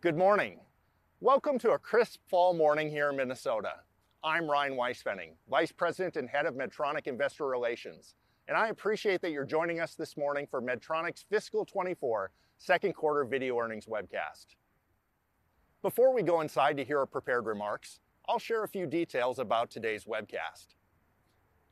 Good morning! Welcome to a crisp fall morning here in Minnesota. I'm Ryan Weispfenning, Vice President and Head of Medtronic Investor Relations, and I appreciate that you're joining us this morning for Medtronic's fiscal 2024 Q2 video earnings webcast. Before we go inside to hear our prepared remarks, I'll share a few details about today's webcast.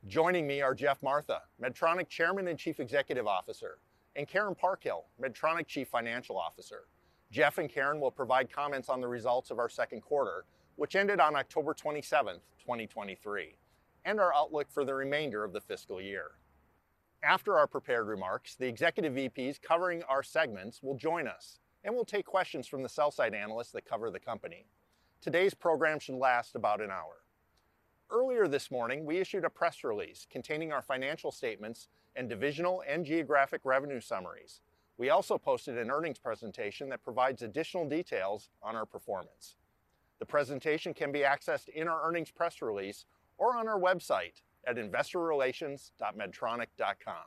Joining me are Geoff Martha, Medtronic Chairman and Chief Executive Officer, and Karen Parkhill, Medtronic Chief Financial Officer. Geoff and Karen will provide comments on the results of our Q2, which ended on October 27, 2023, and our outlook for the remainder of the fiscal year. After our prepared remarks, the executive VPs covering our segments will join us, and we'll take questions from the sell-side analysts that cover the company. Today's program should last about an hour. Earlier this morning, we issued a press release containing our financial statements and divisional and geographic revenue summaries. We also posted an earnings presentation that provides additional details on our performance. The presentation can be accessed in our earnings press release or on our website at investorrelations.medtronic.com.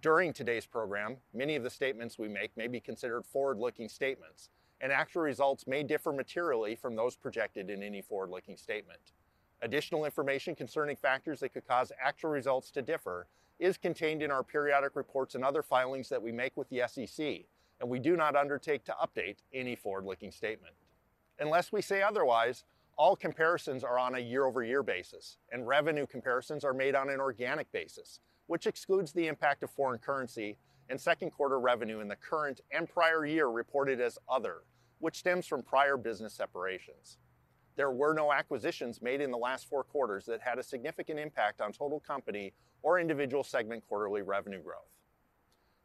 During today's program, many of the statements we make may be considered forward-looking statements, and actual results may differ materially from those projected in any forward-looking statement. Additional information concerning factors that could cause actual results to differ is contained in our periodic reports and other filings that we make with the SEC, and we do not undertake to update any forward-looking statement. Unless we say otherwise, all comparisons are on a year-over-year basis, and revenue comparisons are made on an organic basis, which excludes the impact of foreign currency and Q2 revenue in the current and prior year reported as other, which stems from prior business separations. There were no acquisitions made in the last 4 quarters that had a significant impact on total company or individual segment quarterly revenue growth.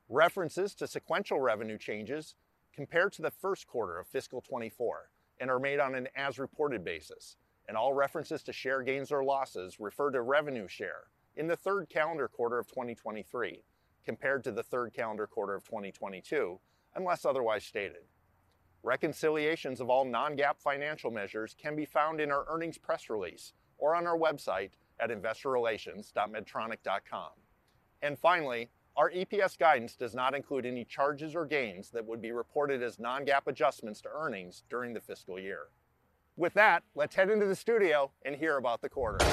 References to sequential revenue changes compared to the Q1 of fiscal 2024 and are made on an as reported basis, and all references to share gains or losses refer to revenue share in the third calendar quarter of 2023, compared to the third calendar quarter of 2022, unless otherwise stated. Reconciliations of all non-GAAP financial measures can be found in our earnings press release or on our website at investorrelations.medtronic.com. Finally, our EPS guidance does not include any charges or gains that would be reported as non-GAAP adjustments to earnings during the fiscal year. With that, let's head into the studio and hear about the quarter.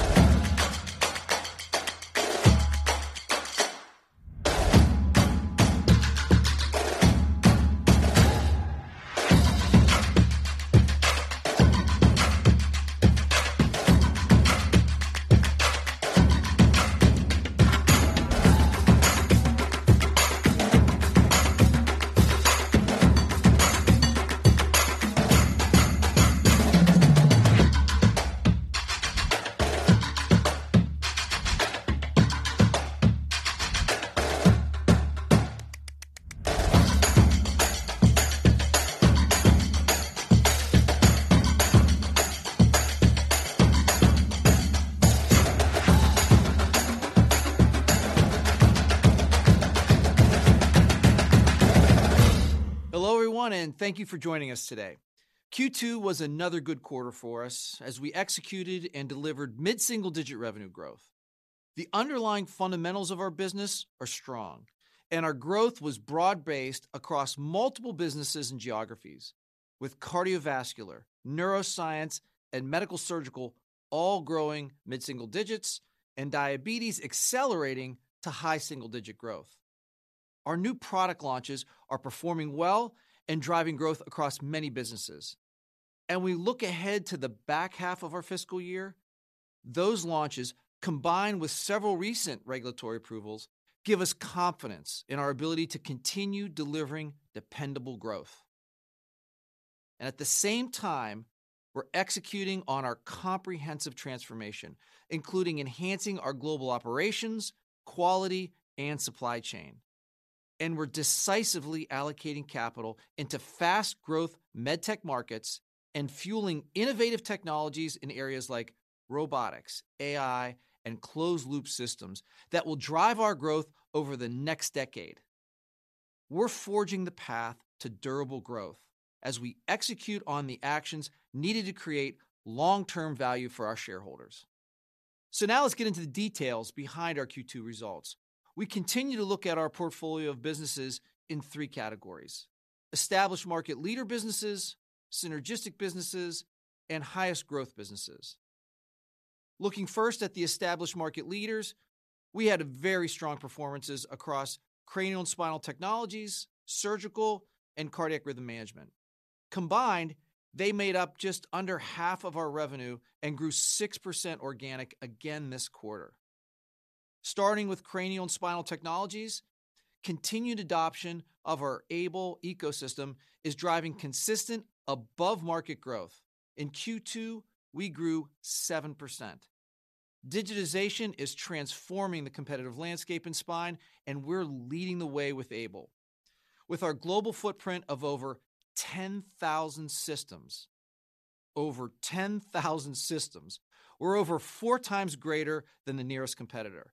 Hello, everyone, and thank you for joining us today. Q2 was another good quarter for us as we executed and delivered mid-single-digit revenue growth. The underlying fundamentals of our business are strong, and our growth was broad-based across multiple businesses and geographies, with cardiovascular, neuroscience, and medical surgical all growing mid-single digits and diabetes accelerating to high single-digit growth. Our new product launches are performing well and driving growth across many businesses. We look ahead to the back half of our fiscal year. Those launches, combined with several recent regulatory approvals, give us confidence in our ability to continue delivering dependable growth. At the same time, we're executing on our comprehensive transformation, including enhancing our global operations, quality, and supply chain. We're decisively allocating capital into fast growth med tech markets and fueling innovative technologies in areas like robotics, AI, and closed-loop systems that will drive our growth over the next decade. We're forging the path to durable growth as we execute on the actions needed to create long-term value for our shareholders. Now let's get into the details behind our Q2 results. We continue to look at our portfolio of businesses in three categories: established market leader businesses, synergistic businesses, and highest growth businesses. Looking first at the established market leaders, we had a very strong performances across cranial and spinal technologies, surgical, and cardiac rhythm management. Combined, they made up just under half of our revenue and grew 6% organic again this quarter. Starting with cranial and spinal technologies, continued adoption of our AiBLE ecosystem is driving consistent above market growth. In Q2, we grew 7%. Digitization is transforming the competitive landscape in spine, and we're leading the way with AiBLE. With our global footprint of over 10,000 systems, over 10,000 systems, we're over 4 times greater than the nearest competitor.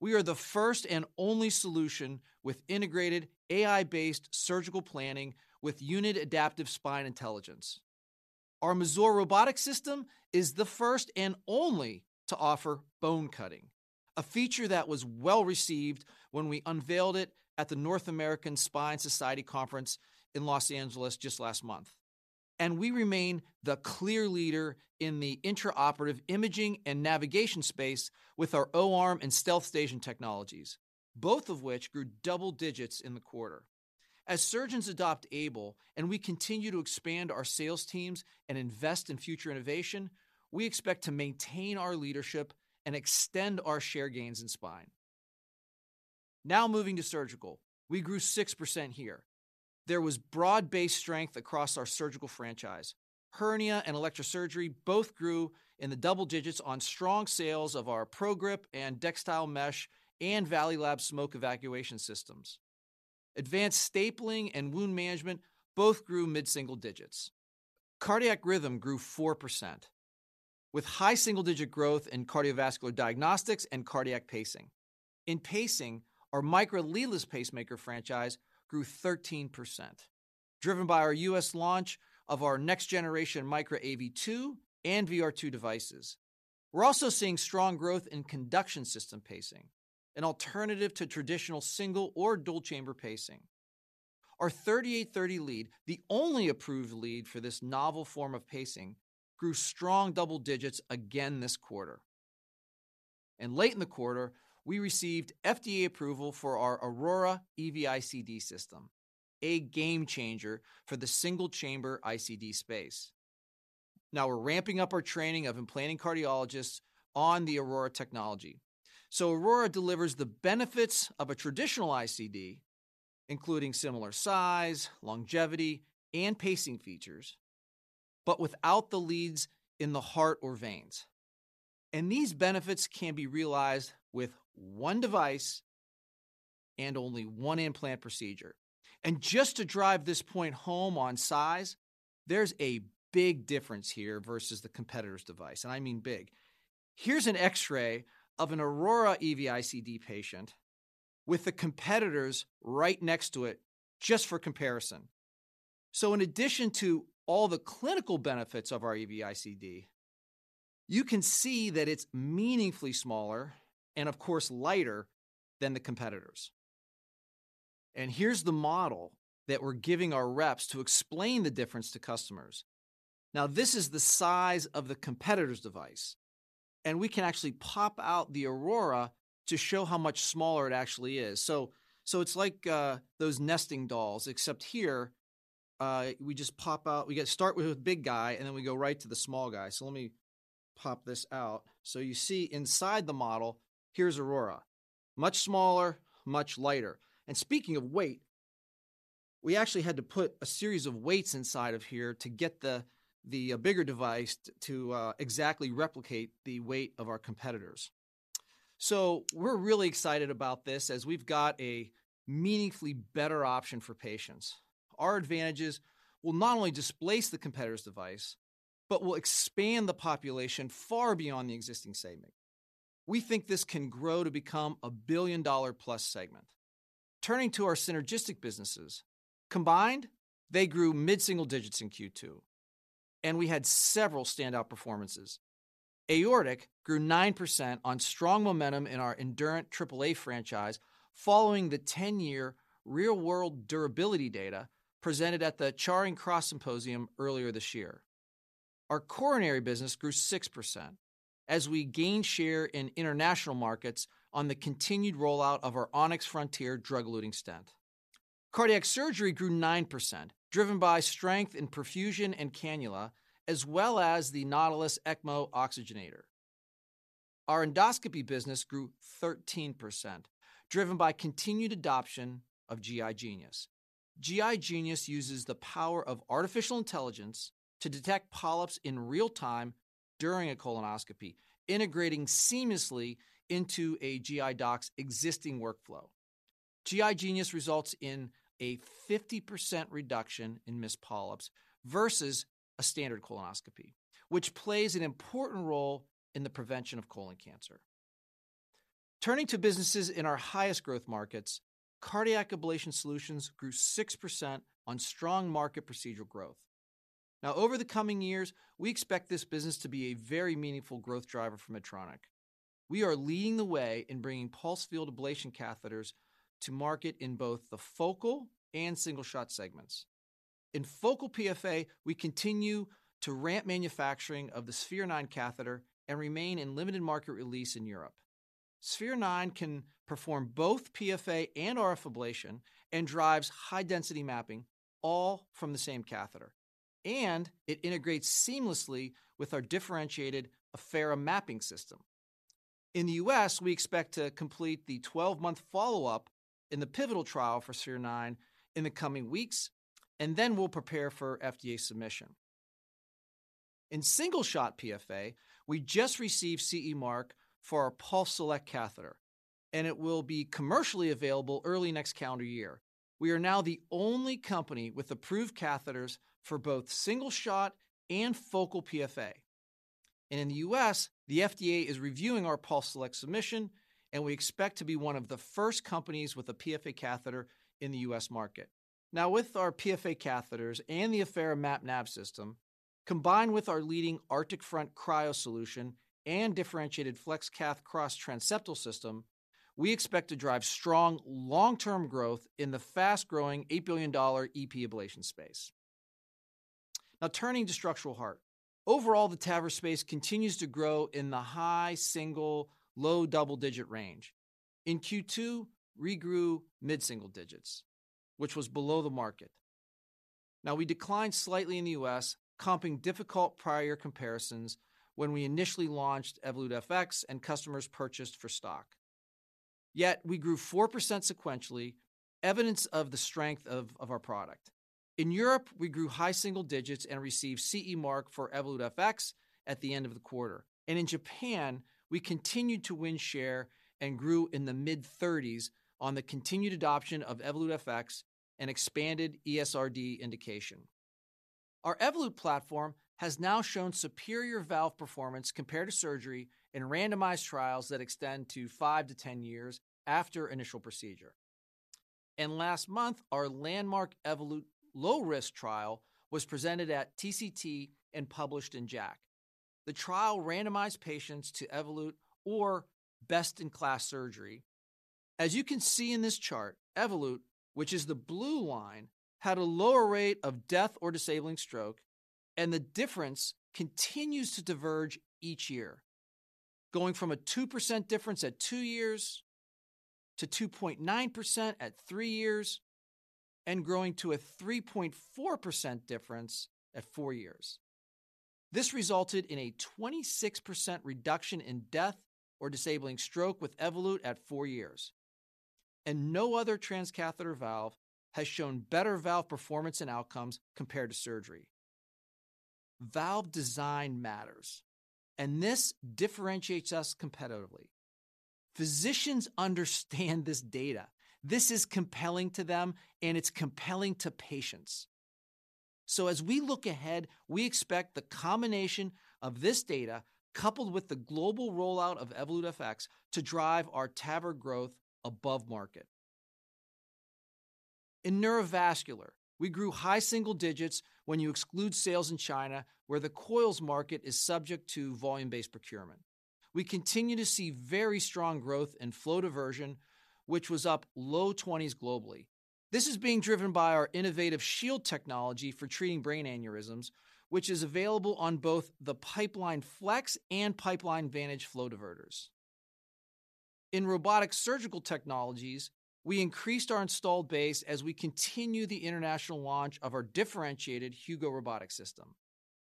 We are the first and only solution with integrated AI-based surgical planning with UNiD Adaptive Spine Intelligence. Our Mazor robotic system is the first and only to offer bone cutting, a feature that was well-received when we unveiled it at the North American Spine Society Conference in Los Angeles just last month. And we remain the clear leader in the intraoperative imaging and navigation space with our O-arm and StealthStation technologies, both of which grew double digits in the quarter. As surgeons adopt AiBLE, and we continue to expand our sales teams and invest in future innovation, we expect to maintain our leadership and extend our share gains in spine. Now moving to surgical, we grew 6% here. There was broad-based strength across our surgical franchise. Hernia and electrosurgery both grew in the double digits on strong sales of our ProGrip and Dextile Mesh and Valleylab smoke evacuation systems. Advanced stapling and wound management both grew mid-single digits. Cardiac rhythm grew 4%, with high single-digit growth in cardiovascular diagnostics and cardiac pacing. In pacing, our Micra leadless pacemaker franchise grew 13%, driven by our U.S. launch of our next generation Micra AV2 and VR2 devices. We're also seeing strong growth in conduction system pacing, an alternative to traditional single or dual chamber pacing. Our 3830 lead, the only approved lead for this novel form of pacing, grew strong double digits again this quarter. And late in the quarter, we received FDA approval for our Aurora EV-ICD system, a game changer for the single chamber ICD space. Now we're ramping up our training of implanting cardiologists on the Aurora technology. So Aurora delivers the benefits of a traditional ICD, including similar size, longevity, and pacing features, but without the leads in the heart or veins. And these benefits can be realized with one device and only one implant procedure. And just to drive this point home on size, there's a big difference here versus the competitor's device, and I mean big. Here's an X-ray of an Aurora EV-ICD patient with the competitor's right next to it just for comparison. So in addition to all the clinical benefits of our EV-ICD, you can see that it's meaningfully smaller and of course, lighter than the competitor's. And here's the model that we're giving our reps to explain the difference to customers. Now, this is the size of the competitor's device, and we can actually pop out the Aurora to show how much smaller it actually is. So, it's like those nesting dolls, except here, we just pop out—we start with a big guy, and then we go right to the small guy. So let me pop this out. So you see inside the model, here's Aurora. Much smaller, much lighter. And speaking of weight, we actually had to put a series of weights inside of here to get the bigger device to exactly replicate the weight of our competitor's. So we're really excited about this as we've got a meaningfully better option for patients. Our advantages will not only displace the competitor's device, but will expand the population far beyond the existing segment. We think this can grow to become a billion-dollar plus segment. Turning to our synergistic businesses, combined, they grew mid-single digits in Q2, and we had several standout performances. Aortic grew 9% on strong momentum in our Endurant AAA franchise, following the 10-year real-world durability data presented at the Charing Cross Symposium earlier this year. Our coronary business grew 6%, as we gained share in international markets on the continued rollout of our Onyx Frontier drug-eluting stent. Cardiac surgery grew 9%, driven by strength in perfusion and cannula, as well as the Nautilus ECMO oxygenator. Our endoscopy business grew 13%, driven by continued adoption of GI Genius. GI Genius uses the power of artificial intelligence to detect polyps in real time during a colonoscopy, integrating seamlessly into a GI doc's existing workflow. GI Genius results in a 50% reduction in missed polyps versus a standard colonoscopy, which plays an important role in the prevention of colon cancer. Turning to businesses in our highest growth markets, cardiac ablation solutions grew 6% on strong market procedural growth. Now, over the coming years, we expect this business to be a very meaningful growth driver for Medtronic. We are leading the way in bringing pulse field ablation catheters to market in both the focal and single shot segments. In focal PFA, we continue to ramp manufacturing of the Sphere-9 catheter and remain in limited market release in Europe. Sphere-9 can perform both PFA and RF ablation and drives high-density mapping, all from the same catheter, and it integrates seamlessly with our differentiated Affera mapping system. In the U.S., we expect to complete the 12-month follow-up in the pivotal trial for Sphere-9 in the coming weeks, and then we'll prepare for FDA submission. In single shot PFA, we just received CE mark for our PulseSelect catheter, and it will be commercially available early next calendar year. We are now the only company with approved catheters for both single shot and focal PFA. In the U.S., the FDA is reviewing our PulseSelect submission, and we expect to be one of the first companies with a PFA catheter in the U.S. market. Now, with our PFA catheters and the Affera MapNav system, combined with our leading Arctic Front cryo solution and differentiated FlexCath Cross transseptal system, we expect to drive strong long-term growth in the fast-growing $8 billion EP ablation space. Now, turning to structural heart. Overall, the TAVR space continues to grow in the high single- to low double-digit range. In Q2, we grew mid-single digits, which was below the market. Now, we declined slightly in the U.S., comping difficult prior comparisons when we initially launched Evolut FX and customers purchased for stock. Yet we grew 4% sequentially, evidence of the strength of our product. In Europe, we grew high single digits and received CE mark for Evolut FX at the end of the quarter. And in Japan, we continued to win share and grew in the mid-30s on the continued adoption of Evolut FX and expanded ESRD indication. Our Evolut platform has now shown superior valve performance compared to surgery in randomized trials that extend to 5-10 years after initial procedure. Last month, our landmark Evolut low-risk trial was presented at TCT and published in JACC. The trial randomized patients to Evolut or best-in-class surgery. As you can see in this chart, Evolut, which is the blue line, had a lower rate of death or disabling stroke, and the difference continues to diverge each year, going from a 2% difference at two years to 2.9% at three years and growing to a 3.4% difference at four years. This resulted in a 26% reduction in death or disabling stroke with Evolut at four years, and no other transcatheter valve has shown better valve performance and outcomes compared to surgery. Valve design matters, and this differentiates us competitively. Physicians understand this data. This is compelling to them, and it's compelling to patients. So as we look ahead, we expect the combination of this data, coupled with the global rollout of Evolut FX, to drive our TAVR growth above market. In neurovascular, we grew high single digits when you exclude sales in China, where the coils market is subject to volume-based procurement. We continue to see very strong growth in flow diversion, which was up low twenties globally. This is being driven by our innovative Shield technology for treating brain aneurysms, which is available on both the Pipeline Flex and Pipeline Vantage flow diverters. In robotic surgical technologies, we increased our installed base as we continue the international launch of our differentiated Hugo robotic system.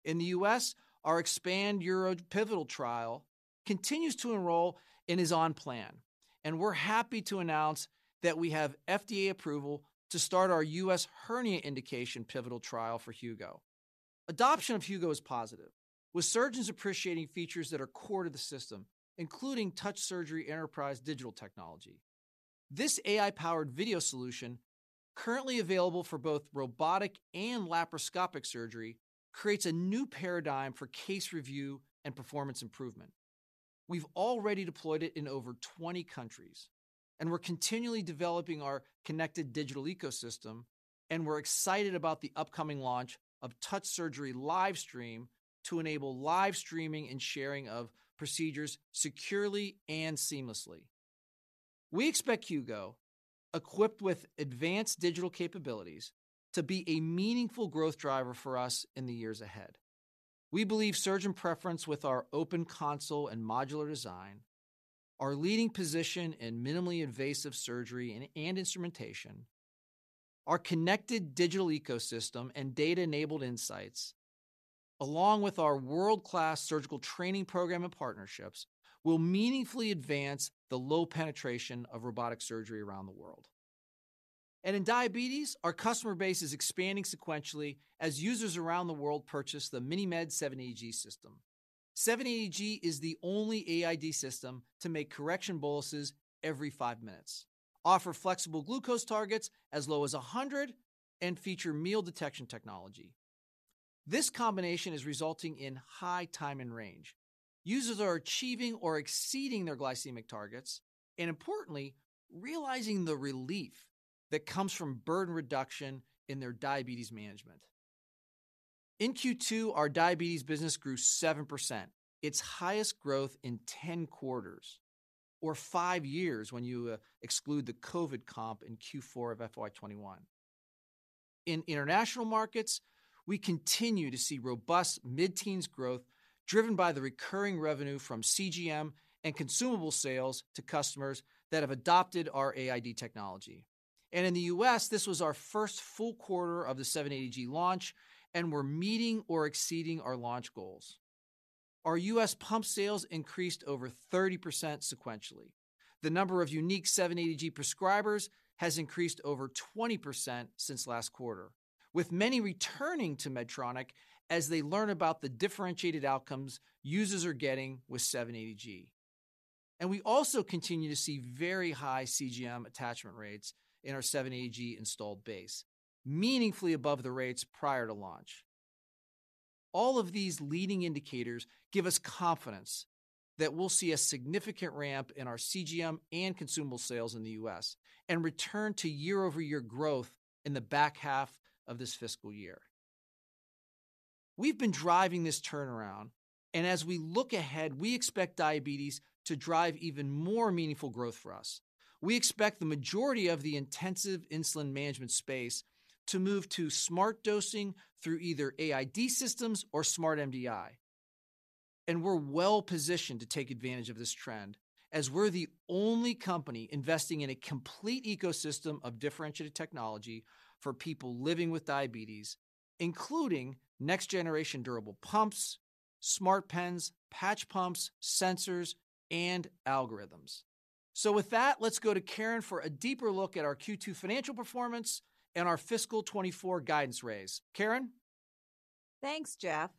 In the U.S., our EXPAND URO pivotal trial continues to enroll and is on plan, and we're happy to announce that we have FDA approval to start our U.S. hernia indication pivotal trial for Hugo. Adoption of Hugo is positive, with surgeons appreciating features that are core to the system, including Touch Surgery Enterprise digital technology. This AI-powered video solution, currently available for both robotic and laparoscopic surgery, creates a new paradigm for case review and performance improvement. We've already deployed it in over 20 countries, and we're continually developing our connected digital ecosystem, and we're excited about the upcoming launch of Touch Surgery Live Stream to enable live streaming and sharing of procedures securely and seamlessly. We expect Hugo, equipped with advanced digital capabilities, to be a meaningful growth driver for us in the years ahead. We believe surgeon preference with our open console and modular design, our leading position in minimally invasive surgery and instrumentation, our connected digital ecosystem and data-enabled insights, along with our world-class surgical training program and partnerships, will meaningfully advance the low penetration of robotic surgery around the world. In diabetes, our customer base is expanding sequentially as users around the world purchase the MiniMed 780G system. 780G is the only AID system to make correction boluses every five minutes, offer flexible glucose targets as low as 100, and feature meal detection technology. This combination is resulting in high time and range. Users are achieving or exceeding their glycemic targets and, importantly, realizing the relief that comes from burden reduction in their diabetes management. In Q2, our diabetes business grew 7%, its highest growth in 10 quarters or 5 years when you exclude the COVID comp in Q4 of FY 2021. In international markets, we continue to see robust mid-teens growth, driven by the recurring revenue from CGM and consumable sales to customers that have adopted our AID technology. In the U.S., this was our first full quarter of the 780G launch, and we're meeting or exceeding our launch goals. Our U.S. pump sales increased over 30% sequentially. The number of unique 780G prescribers has increased over 20% since last quarter, with many returning to Medtronic as they learn about the differentiated outcomes users are getting with 780G. And we also continue to see very high CGM attachment rates in our 780G installed base, meaningfully above the rates prior to launch. All of these leading indicators give us confidence that we'll see a significant ramp in our CGM and consumable sales in the U.S., and return to year-over-year growth in the back half of this fiscal year. We've been driving this turnaround, and as we look ahead, we expect diabetes to drive even more meaningful growth for us. We expect the majority of the intensive insulin management space to move to smart dosing through either AID systems or smart MDI. And we're well positioned to take advantage of this trend, as we're the only company investing in a complete ecosystem of differentiated technology for people living with diabetes, including next generation durable pumps, smart pens, patch pumps, sensors, and algorithms. So with that, let's go to Karen for a deeper look at our Q2 financial performance and our fiscal 2024 guidance raise. Karen? Thanks, Geoff.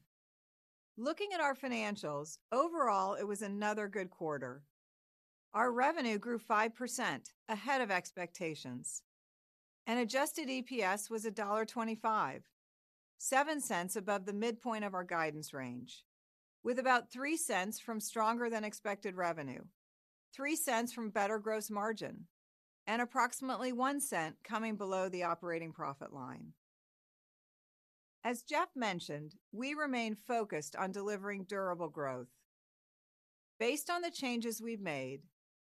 Looking at our financials, overall, it was another good quarter. Our revenue grew 5%, ahead of expectations, and adjusted EPS was $1.25, $0.07 above the midpoint of our guidance range, with about $0.03 from stronger than expected revenue, $0.03 from better gross margin, and approximately $0.01 coming below the operating profit line. As Geoff mentioned, we remain focused on delivering durable growth. Based on the changes we've made,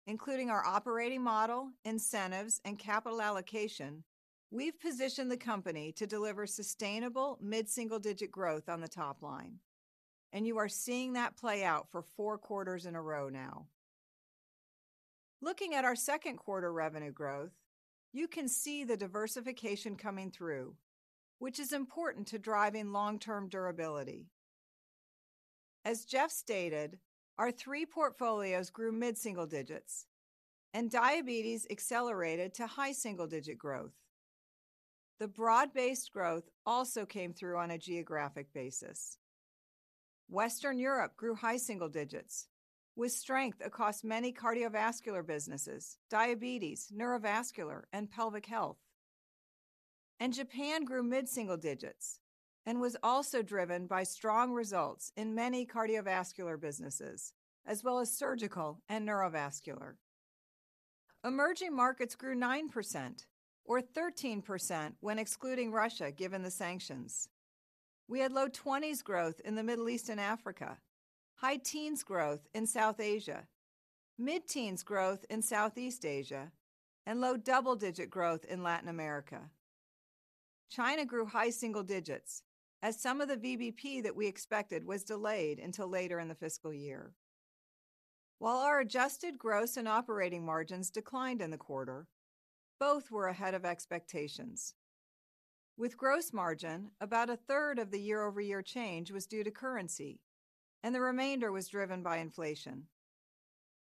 including our operating model, incentives, and capital allocation, we've positioned the company to deliver sustainable mid-single-digit growth on the top line, and you are seeing that play out for four quarters in a row now. Looking at our Q2 revenue growth, you can see the diversification coming through, which is important to driving long-term durability. As Geoff stated, our three portfolios grew mid-single digits, and diabetes accelerated to high single-digit growth. The broad-based growth also came through on a geographic basis. Western Europe grew high single digits, with strength across many cardiovascular businesses, diabetes, neurovascular, and pelvic health. Japan grew mid-single digits and was also driven by strong results in many cardiovascular businesses, as well as surgical and neurovascular. Emerging markets grew 9%, or 13% when excluding Russia, given the sanctions. We had low-20s growth in the Middle East and Africa, high-teens growth in South Asia, mid-teens growth in Southeast Asia, and low double-digit growth in Latin America. China grew high single digits, as some of the VBP that we expected was delayed until later in the fiscal year. While our adjusted gross and operating margins declined in the quarter, both were ahead of expectations. With gross margin, about a third of the year-over-year change was due to currency, and the remainder was driven by inflation.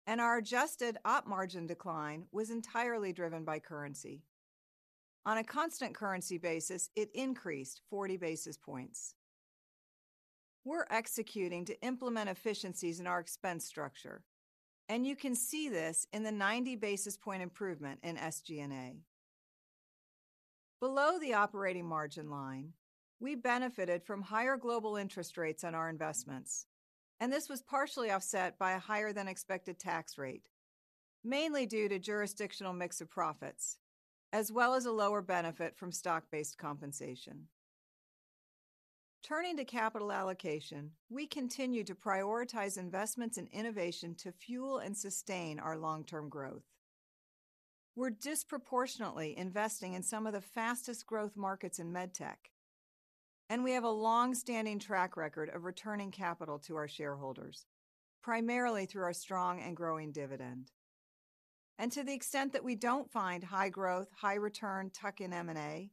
Our adjusted op margin decline was entirely driven by currency. On a constant currency basis, it increased 40 basis points. We're executing to implement efficiencies in our expense structure, and you can see this in the 90 basis point improvement in SG&A. Below the operating margin line, we benefited from higher global interest rates on our investments, and this was partially offset by a higher than expected tax rate, mainly due to jurisdictional mix of profits, as well as a lower benefit from stock-based compensation. Turning to capital allocation, we continue to prioritize investments in innovation to fuel and sustain our long-term growth. We're disproportionately investing in some of the fastest growth markets in med tech, and we have a long-standing track record of returning capital to our shareholders, primarily through our strong and growing dividend. And to the extent that we don't find high growth, high return tuck-in M&A,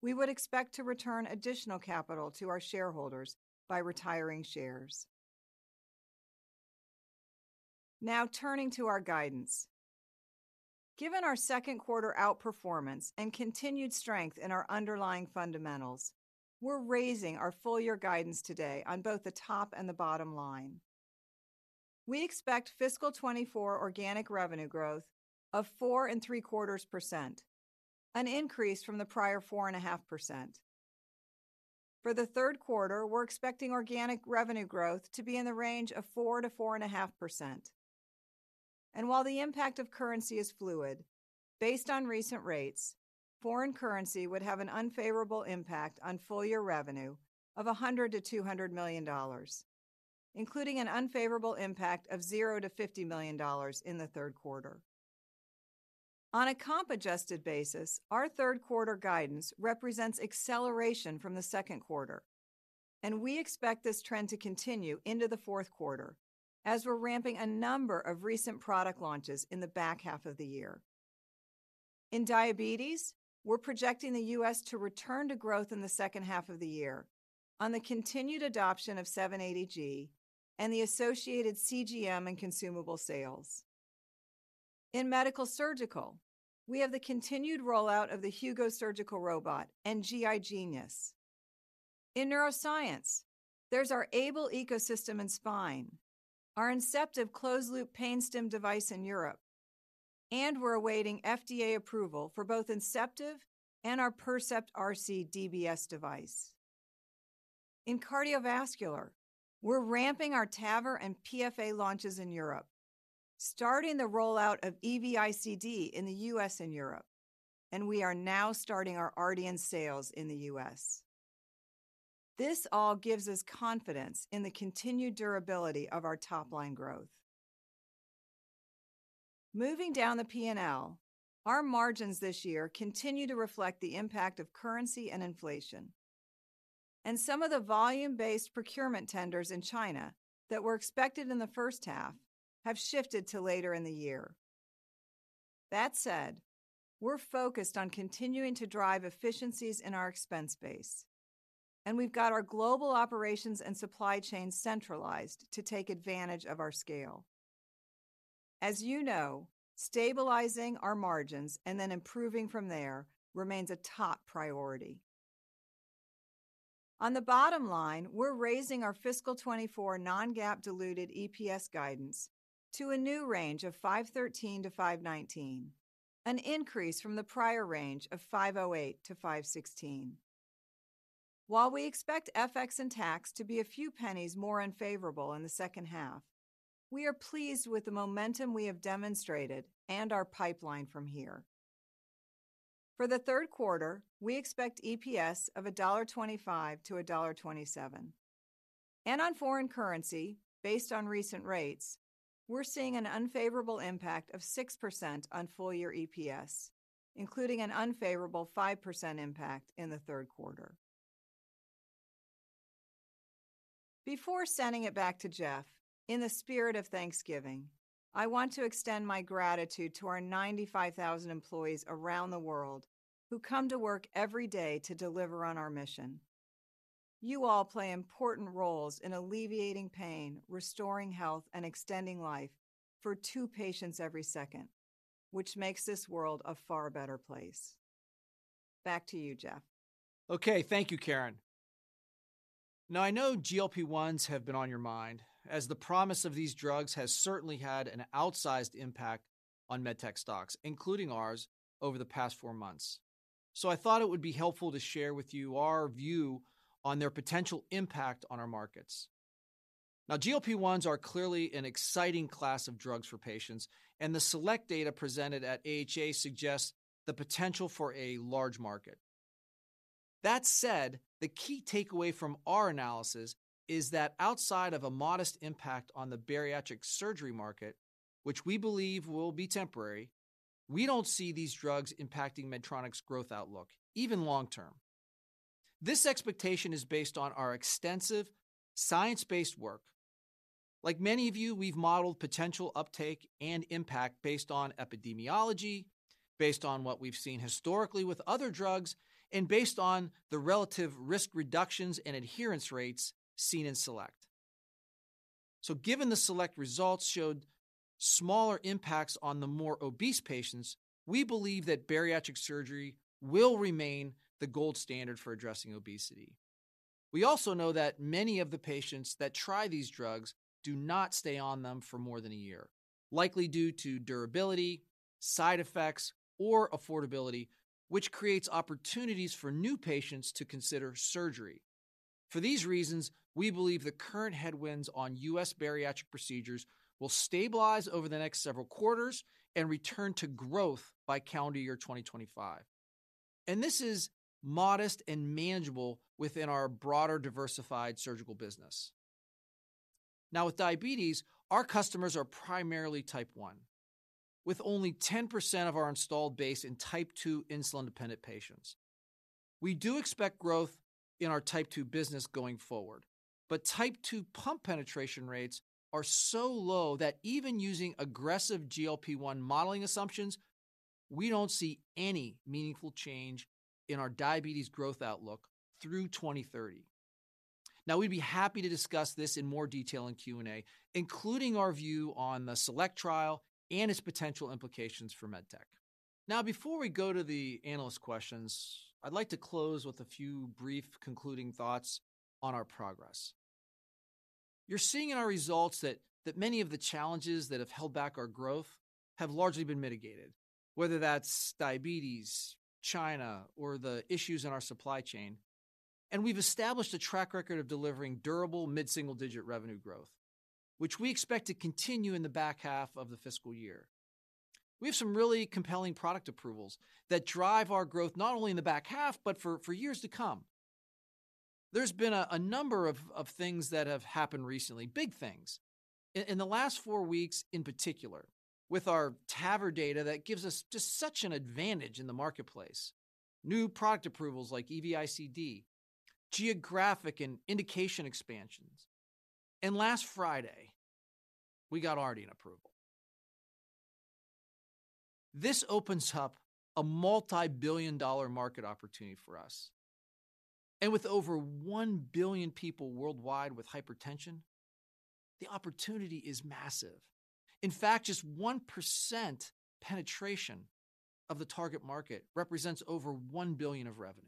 we would expect to return additional capital to our shareholders by retiring shares. Now, turning to our guidance. Given our Q2 outperformance and continued strength in our underlying fundamentals, we're raising our full year guidance today on both the top and the bottom line. We expect fiscal 2024 organic revenue growth of 4.75%, an increase from the prior 4.5%. For the Q3, we're expecting organic revenue growth to be in the range of 4%-4.5%. And while the impact of currency is fluid, based on recent rates, foreign currency would have an unfavorable impact on full year revenue of $100-$200 million, including an unfavorable impact of $0-$50 million in the Q3. On a comp adjusted basis, our Q3 guidance represents acceleration from the Q2, and we expect this trend to continue into the Q4 as we're ramping a number of recent product launches in the back half of the year. In diabetes, we're projecting the U.S. to return to growth in the second half of the year on the continued adoption of 780G and the associated CGM and consumable sales... In Medical Surgical, we have the continued rollout of the Hugo surgical robot and GI Genius. In Neuroscience, there's our AiBLE ecosystem and spine, our Inceptiv closed-loop pain stim device in Europe, and we're awaiting FDA approval for both Inceptiv and our Percept RC DBS device. In cardiovascular, we're ramping our TAVR and PFA launches in Europe, starting the rollout of EV-ICD in the U.S. and Europe, and we are now starting our RDN sales in the U.S. This all gives us confidence in the continued durability of our top-line growth. Moving down the P&L, our margins this year continue to reflect the impact of currency and inflation, and some of the volume-based procurement tenders in China that were expected in the first half have shifted to later in the year. That said, we're focused on continuing to drive efficiencies in our expense base, and we've got our global operations and supply chain centralized to take advantage of our scale. As you know, stabilizing our margins and then improving from there remains a top priority. On the bottom line, we're raising our fiscal 2024 non-GAAP diluted EPS guidance to a new range of $5.13-$5.19, an increase from the prior range of $5.08-$5.16. While we expect FX and tax to be a few pennies more unfavorable in the second half, we are pleased with the momentum we have demonstrated and our pipeline from here. For the Q3, we expect EPS of $1.25-$1.27. And on foreign currency, based on recent rates, we're seeing an unfavorable impact of 6% on full year EPS, including an unfavorable 5% impact in the Q3. Before sending it back to Geoff, in the spirit of Thanksgiving, I want to extend my gratitude to our 95,000 employees around the world who come to work every day to deliver on our mission. You all play important roles in alleviating pain, restoring health, and extending life for two patients every second, which makes this world a far better place. Back to you, Geoff. Okay, thank you, Karen. Now, I know GLP-1s have been on your mind, as the promise of these drugs has certainly had an outsized impact on med tech stocks, including ours, over the past four months. So I thought it would be helpful to share with you our view on their potential impact on our markets. Now, GLP-1s are clearly an exciting class of drugs for patients, and the SELECT data presented at AHA suggests the potential for a large market. That said, the key takeaway from our analysis is that outside of a modest impact on the bariatric surgery market, which we believe will be temporary, we don't see these drugs impacting Medtronic's growth outlook, even long term. This expectation is based on our extensive science-based work. Like many of you, we've modeled potential uptake and impact based on epidemiology, based on what we've seen historically with other drugs, and based on the relative risk reductions and adherence rates seen in SELECT. So given the SELECT results showed smaller impacts on the more obese patients, we believe that bariatric surgery will remain the gold standard for addressing obesity. We also know that many of the patients that try these drugs do not stay on them for more than a year, likely due to durability, side effects, or affordability, which creates opportunities for new patients to consider surgery. For these reasons, we believe the current headwinds on US bariatric procedures will stabilize over the next several quarters and return to growth by calendar year 2025. This is modest and manageable within our broader, diversified surgical business. Now, with diabetes, our customers are primarily Type 1, with only 10% of our installed base in Type 2 insulin-dependent patients. We do expect growth in our Type 2 business going forward, but Type 2 pump penetration rates are so low that even using aggressive GLP-1 modeling assumptions, we don't see any meaningful change in our diabetes growth outlook through 2030. Now, we'd be happy to discuss this in more detail in Q&A, including our view on the SELECT trial and its potential implications for MedTech. Now, before we go to the analyst questions, I'd like to close with a few brief concluding thoughts on our progress. You're seeing in our results that many of the challenges that have held back our growth have largely been mitigated, whether that's diabetes, China, or the issues in our supply chain. We've established a track record of delivering durable, mid-single-digit revenue growth, which we expect to continue in the back half of the fiscal year. We have some really compelling product approvals that drive our growth not only in the back half, but for years to come. There's been a number of things that have happened recently, big things. In the last four weeks, in particular, with our TAVR data that gives us just such an advantage in the marketplace. New product approvals like EV-ICD, geographic and indication expansions. And last Friday, we got RDN approval. This opens up a multi-billion-dollar market opportunity for us. And with over 1 billion people worldwide with hypertension, the opportunity is massive. In fact, just 1% penetration of the target market represents over $1 billion of revenue.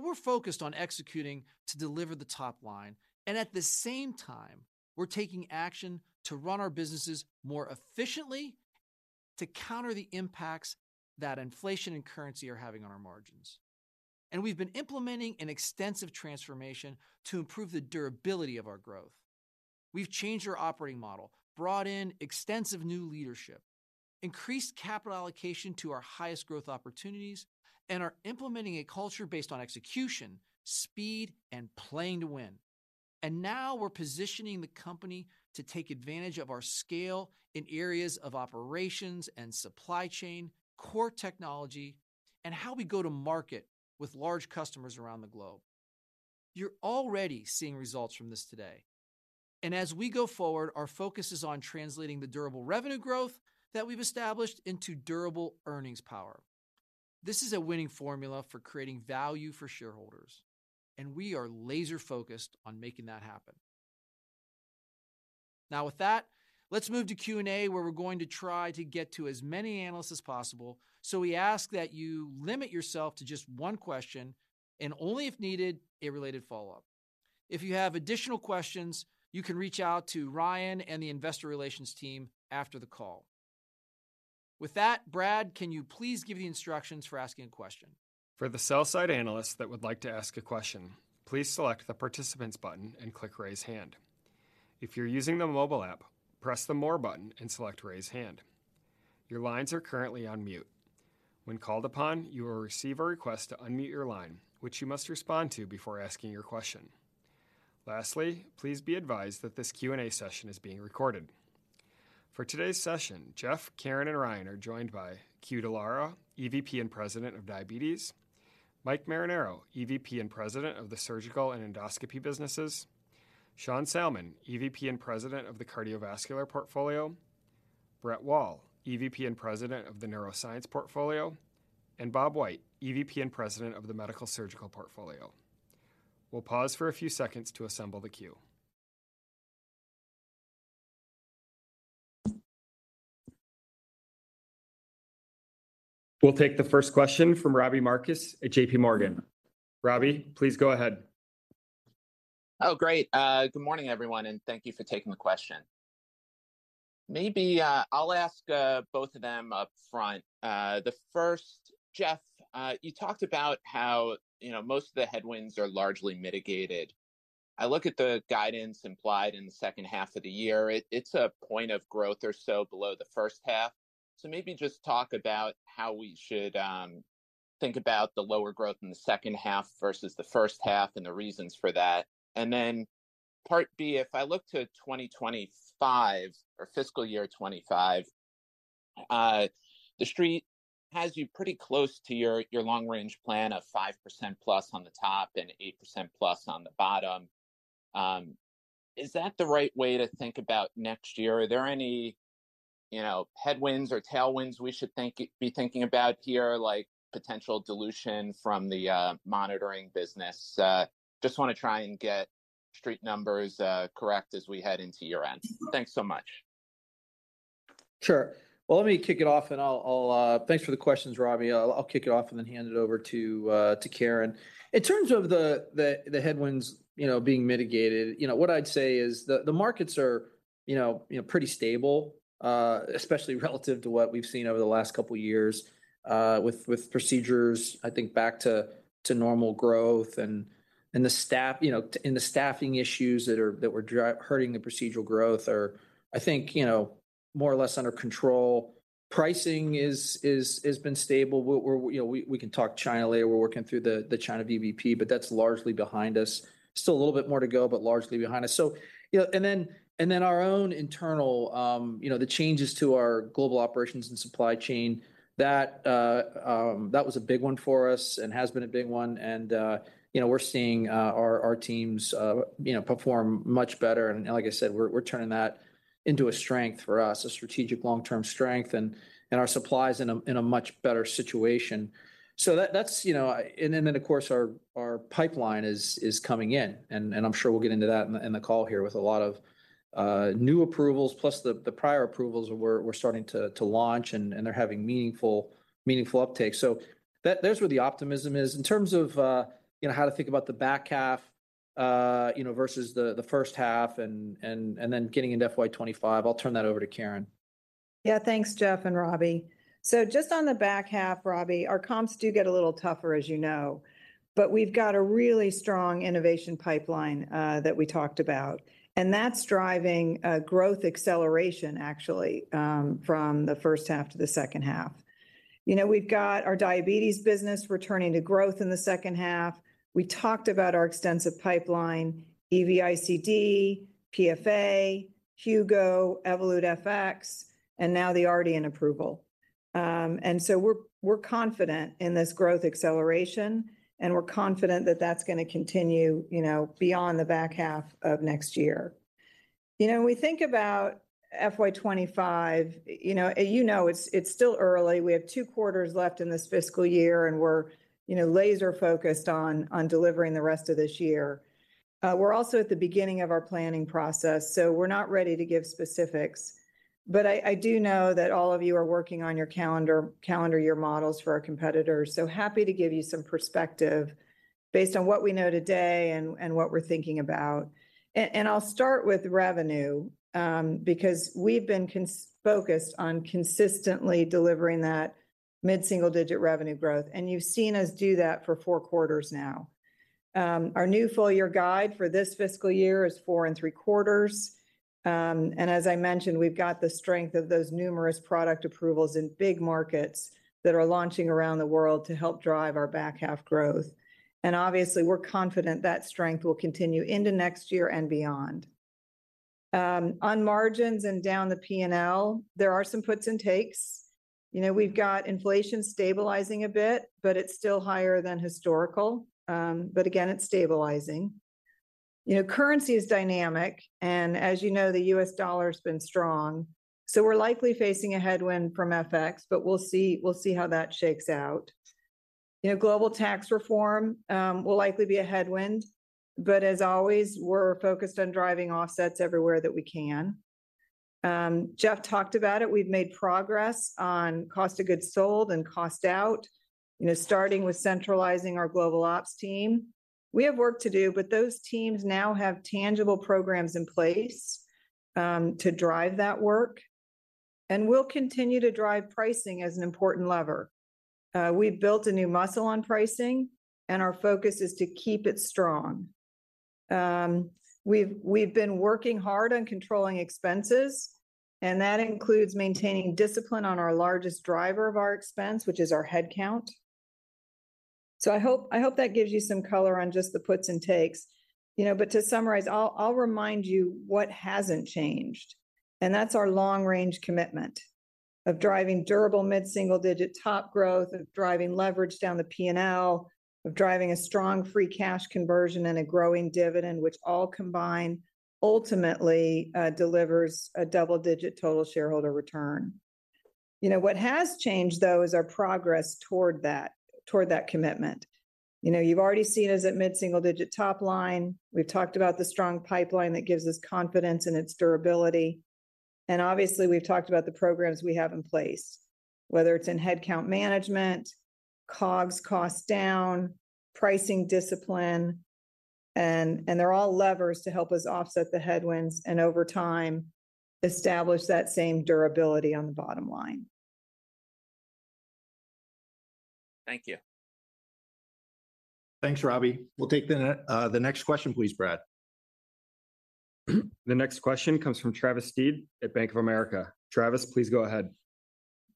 We're focused on executing to deliver the top line, and at the same time, we're taking action to run our businesses more efficiently to counter the impacts that inflation and currency are having on our margins. We've been implementing an extensive transformation to improve the durability of our growth. We've changed our operating model, brought in extensive new leadership, increased capital allocation to our highest growth opportunities, and are implementing a culture based on execution, speed, and playing to win. Now we're positioning the company to take advantage of our scale in areas of operations and supply chain, core technology, and how we go to market with large customers around the globe. You're already seeing results from this today, and as we go forward, our focus is on translating the durable revenue growth that we've established into durable earnings power. This is a winning formula for creating value for shareholders, and we are laser focused on making that happen. Now, with that, let's move to Q&A, where we're going to try to get to as many analysts as possible. So we ask that you limit yourself to just one question and only if needed, a related follow-up. If you have additional questions, you can reach out to Ryan and the investor relations team after the call. With that, Brad, can you please give the instructions for asking a question? For the sell-side analysts that would like to ask a question, please SELECT the Participants button and click Raise Hand. If you're using the mobile app, press the More button and SELECT Raise Hand. Your lines are currently on mute. When called upon, you will receive a request to unmute your line, which you must respond to before asking your question. Lastly, please be advised that this Q&A session is being recorded. For today's session, Geoff, Karen, and Ryan are joined by Que Dallara, EVP and President of Diabetes, Mike Marinaro, EVP and President of the Surgical and Endoscopy businesses, Sean Salmon, EVP and President of the Cardiovascular Portfolio, Brett Wall, EVP and President of the Neuroscience Portfolio, and Bob White, EVP and President of the Medical Surgical Portfolio. We'll pause for a few seconds to assemble the queue. We'll take the first question from Robbie Marcus at J.P. Morgan. Robbie, please go ahead. Oh, great. Good morning, everyone, and thank you for taking the question. Maybe I'll ask both of them up front. The first, Geoff, you talked about how, you know, most of the headwinds are largely mitigated. I look at the guidance implied in the second half of the year. It's a point of growth or so below the first half. So maybe just talk about how we should think about the lower growth in the second half versus the first half and the reasons for that. And then part B, if I look to 2025, or fiscal year 2025, the Street has you pretty close to your long range plan of 5% plus on the top and 8% plus on the bottom. Is that the right way to think about next year? Are there any, you know, headwinds or tailwinds we should think- be thinking about here, like potential dilution from the monitoring business? Just wanna try and get Street numbers correct as we head into year-end. Thanks so much. Sure. Well, let me kick it off, and I'll... Thanks for the questions, Robbie. I'll kick it off and then hand it over to Karen. In terms of the headwinds, you know, being mitigated, you know, what I'd say is the markets are, you know, pretty stable, especially relative to what we've seen over the last couple of years, with procedures, I think back to normal growth and the staffing issues that were hurting the procedural growth are, I think, you know, more or less under control. Pricing has been stable. We're, you know, we can talk China later. We're working through the China VBP, but that's largely behind us. Still a little bit more to go, but largely behind us. So, you know, and then, and then our own internal, you know, the changes to our global operations and supply chain, that, that was a big one for us and has been a big one, and, you know, we're seeing, our, our teams, you know, perform much better. And like I said, we're, we're turning that into a strength for us, a strategic long-term strength, and, and our supply is in a, in a much better situation. So that's, you know, and then, of course, our, our pipeline is, is coming in, and, and I'm sure we'll get into that in the, in the call here with a lot of, new approvals, plus the, the prior approvals we're, we're starting to, to launch, and, and they're having meaningful, meaningful uptake. So that's where the optimism is. In terms of, you know, how to think about the back half, you know, versus the first half and then getting into FY 2025, I'll turn that over to Karen. Yeah, thanks, Geoff and Robbie. So just on the back half, Robbie, our comps do get a little tougher, as you know, but we've got a really strong innovation pipeline that we talked about, and that's driving a growth acceleration, actually, from the first half to the second half. You know, we've got our diabetes business returning to growth in the second half. We talked about our extensive pipeline, EV-ICD, PFA, Hugo, Evolut FX, and now the Affera approval. And so we're confident in this growth acceleration, and we're confident that that's gonna continue, you know, beyond the back half of next year. You know, when we think about FY 2025, you know, it's still early. We have two quarters left in this fiscal year, and we're, you know, laser focused on delivering the rest of this year. We're also at the beginning of our planning process, so we're not ready to give specifics. But I do know that all of you are working on your calendar year models for our competitors. So happy to give you some perspective based on what we know today and what we're thinking about. I'll start with revenue, because we've been focused on consistently delivering that mid-single-digit revenue growth, and you've seen us do that for 4 quarters now. Our new full year guide for this fiscal year is 4.75. And as I mentioned, we've got the strength of those numerous product approvals in big markets that are launching around the world to help drive our back half growth. And obviously, we're confident that strength will continue into next year and beyond. On margins and down the P&L, there are some puts and takes. You know, we've got inflation stabilizing a bit, but it's still higher than historical. But again, it's stabilizing. You know, currency is dynamic, and as you know, the US dollar has been strong, so we're likely facing a headwind from FX, but we'll see, we'll see how that shakes out. You know, global tax reform will likely be a headwind, but as always, we're focused on driving offsets everywhere that we can. Geoff talked about it. We've made progress on cost of goods sold and cost out, you know, starting with centralizing our global ops team. We have work to do, but those teams now have tangible programs in place, to drive that work, and we'll continue to drive pricing as an important lever. We've built a new muscle on pricing, and our focus is to keep it strong. We've been working hard on controlling expenses, and that includes maintaining discipline on our largest driver of our expense, which is our headcount. So I hope that gives you some color on just the puts and takes. You know, but to summarize, I'll remind you what hasn't changed, and that's our long-range commitment of driving durable mid-single-digit top growth, of driving leverage down the P&L, of driving a strong free cash conversion and a growing dividend, which all combined, ultimately, delivers a double-digit total shareholder return. You know, what has changed, though, is our progress toward that, toward that commitment. You know, you've already seen us at mid-single-digit top line. We've talked about the strong pipeline that gives us confidence in its durability, and obviously, we've talked about the programs we have in place, whether it's in headcount management, COGS cost down, pricing discipline, and they're all levers to help us offset the headwinds, and over time, establish that same durability on the bottom line. Thank you. Thanks, Robbie. We'll take the next question, please, Brad. The next question comes from Travis Steed at Bank of America. Travis, please go ahead.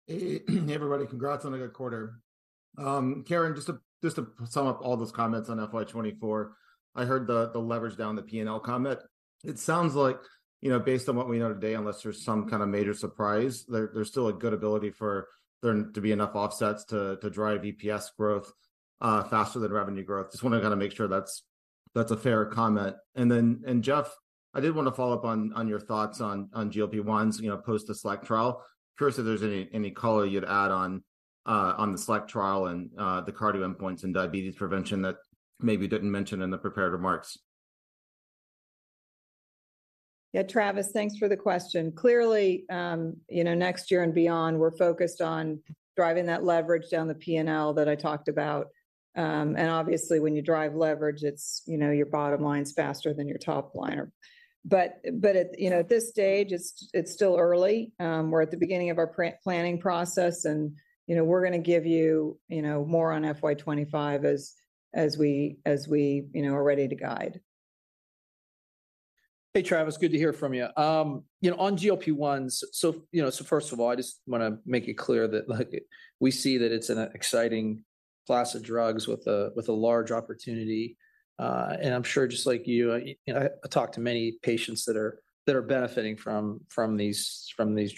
Hey, hey, everybody. Congrats on a good quarter. Karen, just to, just to sum up all those comments on FY 2024, I heard the, the leverage down the P&L comment. It sounds like, you know, based on what we know today, unless there's some kind of major surprise, there, there's still a good ability for there to be enough offsets to, to drive EPS growth faster than revenue growth. Just wanted to kinda make sure that's, that's a fair comment. And then, and Geoff, I did want to follow up on, on your thoughts on, on GLP-1s, you know, post the SELECT trial. First, if there's any, any color you'd add on, on the SELECT trial and, the cardio endpoints in diabetes prevention that maybe you didn't mention in the prepared remarks. Yeah, Travis, thanks for the question. Clearly, you know, next year and beyond, we're focused on driving that leverage down the P&L that I talked about. And obviously, when you drive leverage, it's you know, your bottom line's faster than your top line. But at, you know, at this stage, it's still early. We're at the beginning of our planning process, and, you know, we're gonna give you, you know, more on FY 2025 as we are ready to guide. Hey, Travis, good to hear from you. You know, on GLP-1s, so, you know, so first of all, I just wanna make it clear that, like, we see that it's an exciting class of drugs with a, with a large opportunity. And I'm sure, just like you, I, you know, I talked to many patients that are, that are benefiting from, from these, from these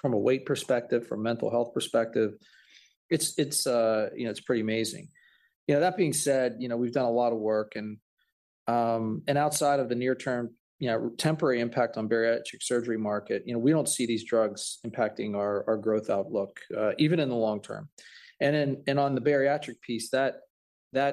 drugs. From a weight perspective, from a mental health perspective, it's, it's, you know, it's pretty amazing. You know, that being said, you know, we've done a lot of work, and, and outside of the near term, you know, temporary impact on bariatric surgery market, you know, we don't see these drugs impacting our, our growth outlook, even in the long term. Then, on the bariatric piece, that, you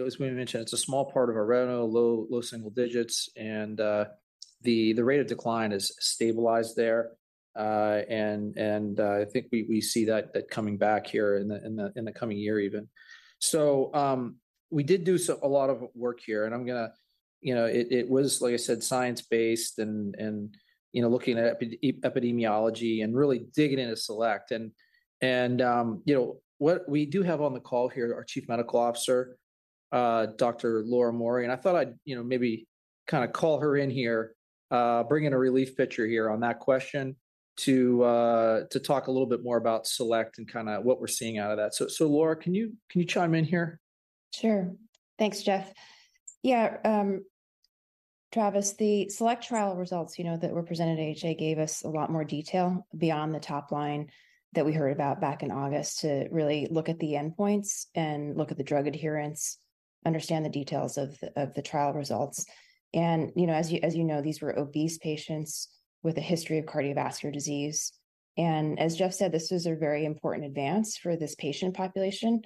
know, as we mentioned, it's a small part of our revenue, low single digits, and the rate of decline is stabilized there. I think we see that coming back here in the coming year, even. So, we did a lot of work here, and I'm gonna, you know, it was, like I said, science-based and, you know, looking at epidemiology and really digging into SELECT. We do have on the call here our Chief Medical Officer, Dr. Laura Mauri, and I thought I'd, you know, maybe kinda call her in here, bring in a relief pitcher here on that question, to talk a little bit more about SELECT and kinda what we're seeing out of that. So, Laura, can you chime in here? Sure. Thanks, Geoff. Yeah, Travis, the SELECT trial results, you know, that were presented at AHA gave us a lot more detail beyond the top line that we heard about back in August, to really look at the endpoints and look at the drug adherence... understand the details of the trial results. And, you know, as you know, these were obese patients with a history of cardiovascular disease. And as Geoff said, this was a very important advance for this patient population,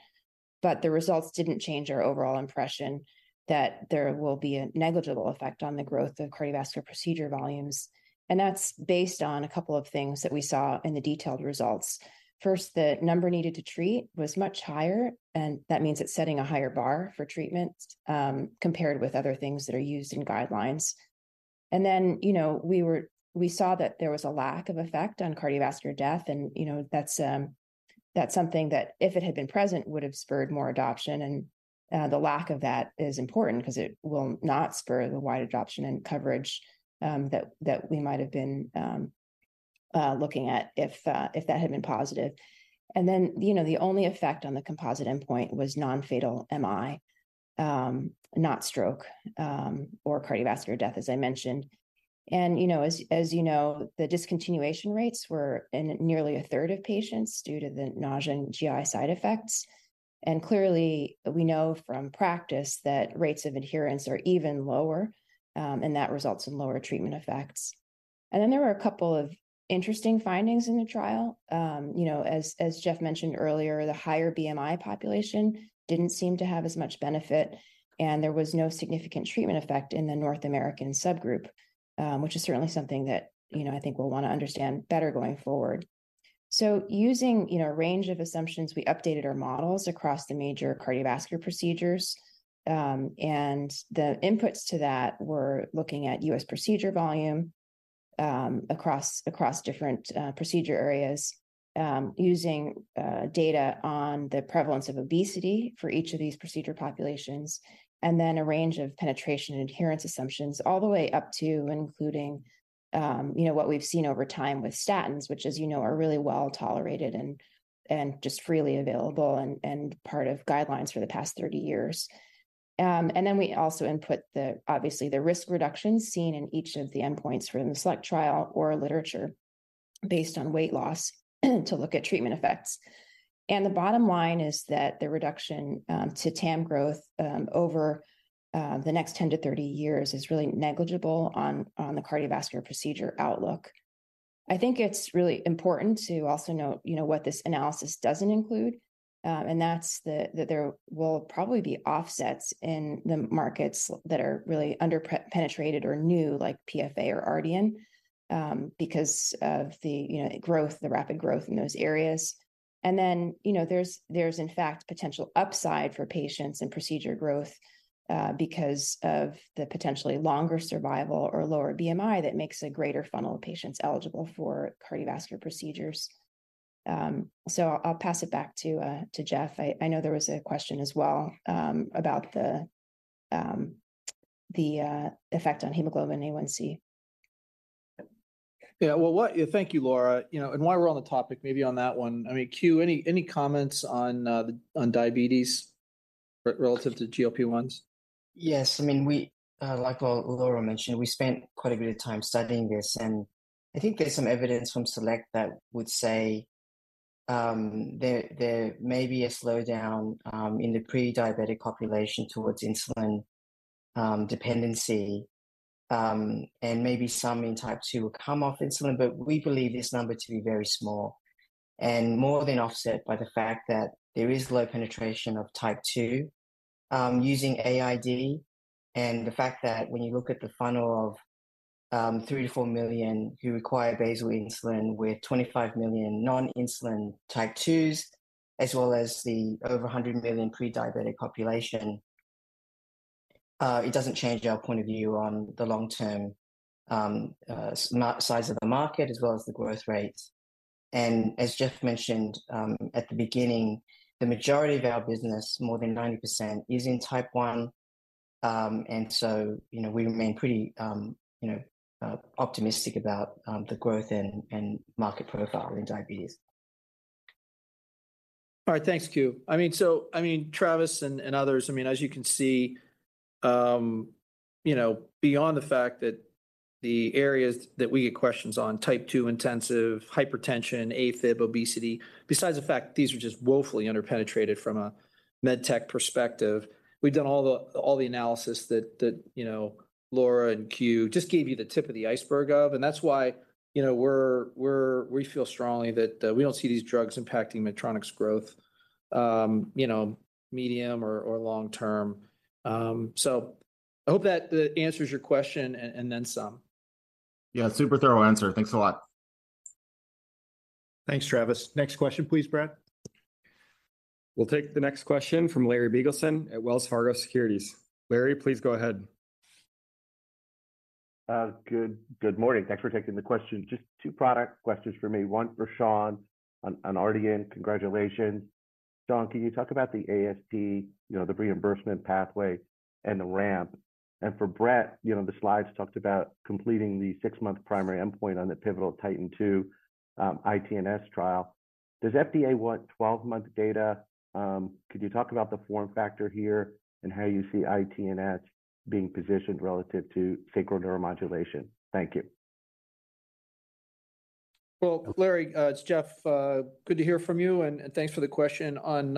but the results didn't change our overall impression that there will be a negligible effect on the growth of cardiovascular procedure volumes. And that's based on a couple of things that we saw in the detailed results. First, the number needed to treat was much higher, and that means it's setting a higher bar for treatment, compared with other things that are used in guidelines. Then, you know, we saw that there was a lack of effect on cardiovascular death, and, you know, that's something that, if it had been present, would've spurred more adoption. And, the lack of that is important 'cause it will not spur the wide adoption and coverage, that we might have been looking at if, if that had been positive. Then, you know, the only effect on the composite endpoint was non-fatal MI, not stroke, or cardiovascular death, as I mentioned. And, you know, as you know, the discontinuation rates were in nearly a third of patients due to the nausea and GI side effects. Clearly, we know from practice that rates of adherence are even lower, and that results in lower treatment effects. Then there were a couple of interesting findings in the trial. You know, as Geoff mentioned earlier, the higher BMI population didn't seem to have as much benefit, and there was no significant treatment effect in the North American subgroup, which is certainly something that, you know, I think we'll wanna understand better going forward. Using, you know, a range of assumptions, we updated our models across the major cardiovascular procedures. And the inputs to that were looking at U.S. procedure volume, across different procedure areas, using data on the prevalence of obesity for each of these procedure populations, and then a range of penetration and adherence assumptions, all the way up to including, you know, what we've seen over time with statins, which, as you know, are really well-tolerated and just freely available and part of guidelines for the past 30 years. And then we also input, obviously, the risk reduction seen in each of the endpoints from the SELECT trial or literature based on weight loss, to look at treatment effects. And the bottom line is that the reduction to TAM growth, over the next 10-30 years is really negligible on the cardiovascular procedure outlook. I think it's really important to also note, you know, what this analysis doesn't include, and that's that there will probably be offsets in the markets that are really underpenetrated or new, like PFA or RDN, because of the, you know, growth, the rapid growth in those areas. And then, you know, there's, there's, in fact, potential upside for patients and procedure growth, because of the potentially longer survival or lower BMI that makes a greater funnel of patients eligible for cardiovascular procedures. So I'll pass it back to Geoff. I know there was a question as well, about the effect on Hemoglobin A1C. Yeah, well. Yeah, thank you, Laura. You know, and while we're on the topic, maybe on that one, I mean, Que, any comments on diabetes relative to GLP-1s? Yes, I mean, we, like, well, Laura mentioned, we spent quite a bit of time studying this, and I think there's some evidence from SELECT that would say, there, there may be a slowdown in the pre-diabetic population towards insulin dependency, and maybe some in Type 2 will come off insulin. But we believe this number to be very small, and more than offset by the fact that there is low penetration of Type 2 using AID. And the fact that when you look at the funnel of 3-4 million who require basal insulin, with 25 million non-insulin Type 2s, as well as the over 100 million pre-diabetic population, it doesn't change our point of view on the long-term market size of the market, as well as the growth rates. As Geoff mentioned, at the beginning, the majority of our business, more than 90%, is in Type 1. And so, you know, we remain pretty, you know, optimistic about the growth and market profile in diabetes. All right, thanks, Q. I mean, so, I mean, Travis and others, I mean, as you can see, you know, beyond the fact that the areas that we get questions on, Type 2 intensive, hypertension, AFib, obesity, besides the fact these are just woefully under-penetrated from a med tech perspective, we've done all the analysis that, you know, Laura and Q just gave you the tip of the iceberg of, and that's why, you know, we feel strongly that we don't see these drugs impacting Medtronic's growth, you know, medium or long term. So I hope that answers your question and then some. Yeah, super thorough answer. Thanks a lot. Thanks, Travis. Next question please, Brad. We'll take the next question from Larry Biegelsen at Wells Fargo Securities. Larry, please go ahead. Good morning. Thanks for taking the question. Just two product questions for me, one for Sean on RDN. Congratulations. Sean, can you talk about the ASP, you know, the reimbursement pathway, and the ramp? And for Brett, you know, the slides talked about completing the six-month primary endpoint on the pivotal TITAN 2 ITNS trial. Does FDA want twelve-month data? Could you talk about the form factor here, and how you see ITNS being positioned relative to sacral neuromodulation? Thank you. Well, Larry, it's Geoff. Good to hear from you, and thanks for the question. On,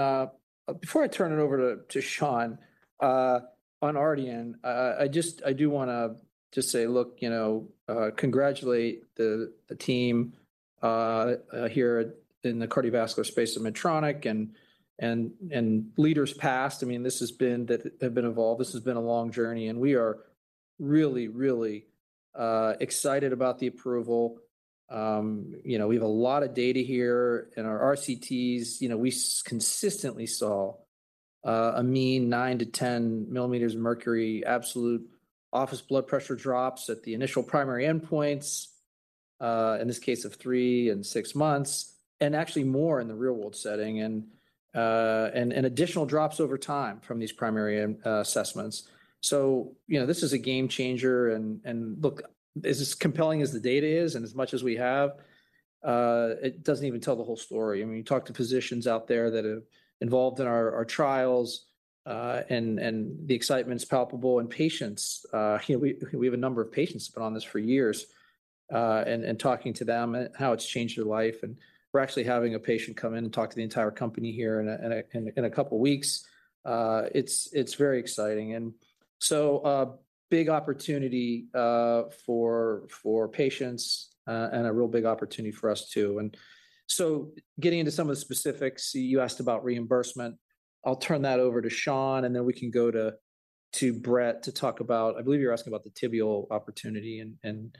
before I turn it over to Sean, on RDN, I just- I do wanna just say, look, you know, congratulate the team here in the cardiovascular space at Medtronic and leaders past. I mean, this has been the- that have been involved. This has been a long journey, and we are really, really excited about the approval. You know, we have a lot of data here in our RCTs. You know, we consistently saw a mean 9-10 millimeters of mercury absolute office blood pressure drops at the initial primary endpoints, in this case of 3 and 6 months, and actually more in the real-world setting, and additional drops over time from these primary assessments. So, you know, this is a game changer, and look, as compelling as the data is and as much as we have, it doesn't even tell the whole story. I mean, you talk to physicians out there that are involved in our trials, and the excitement's palpable. And patients, you know, we have a number of patients who've been on this for years, and talking to them and how it's changed their life. And we're actually having a patient come in and talk to the entire company here in a couple weeks. It's very exciting. And so, a big opportunity for patients and a real big opportunity for us, too. And so getting into some of the specifics, you asked about reimbursement. I'll turn that over to Sean, and then we can go to Brett to talk about... I believe you're asking about the tibial opportunity and,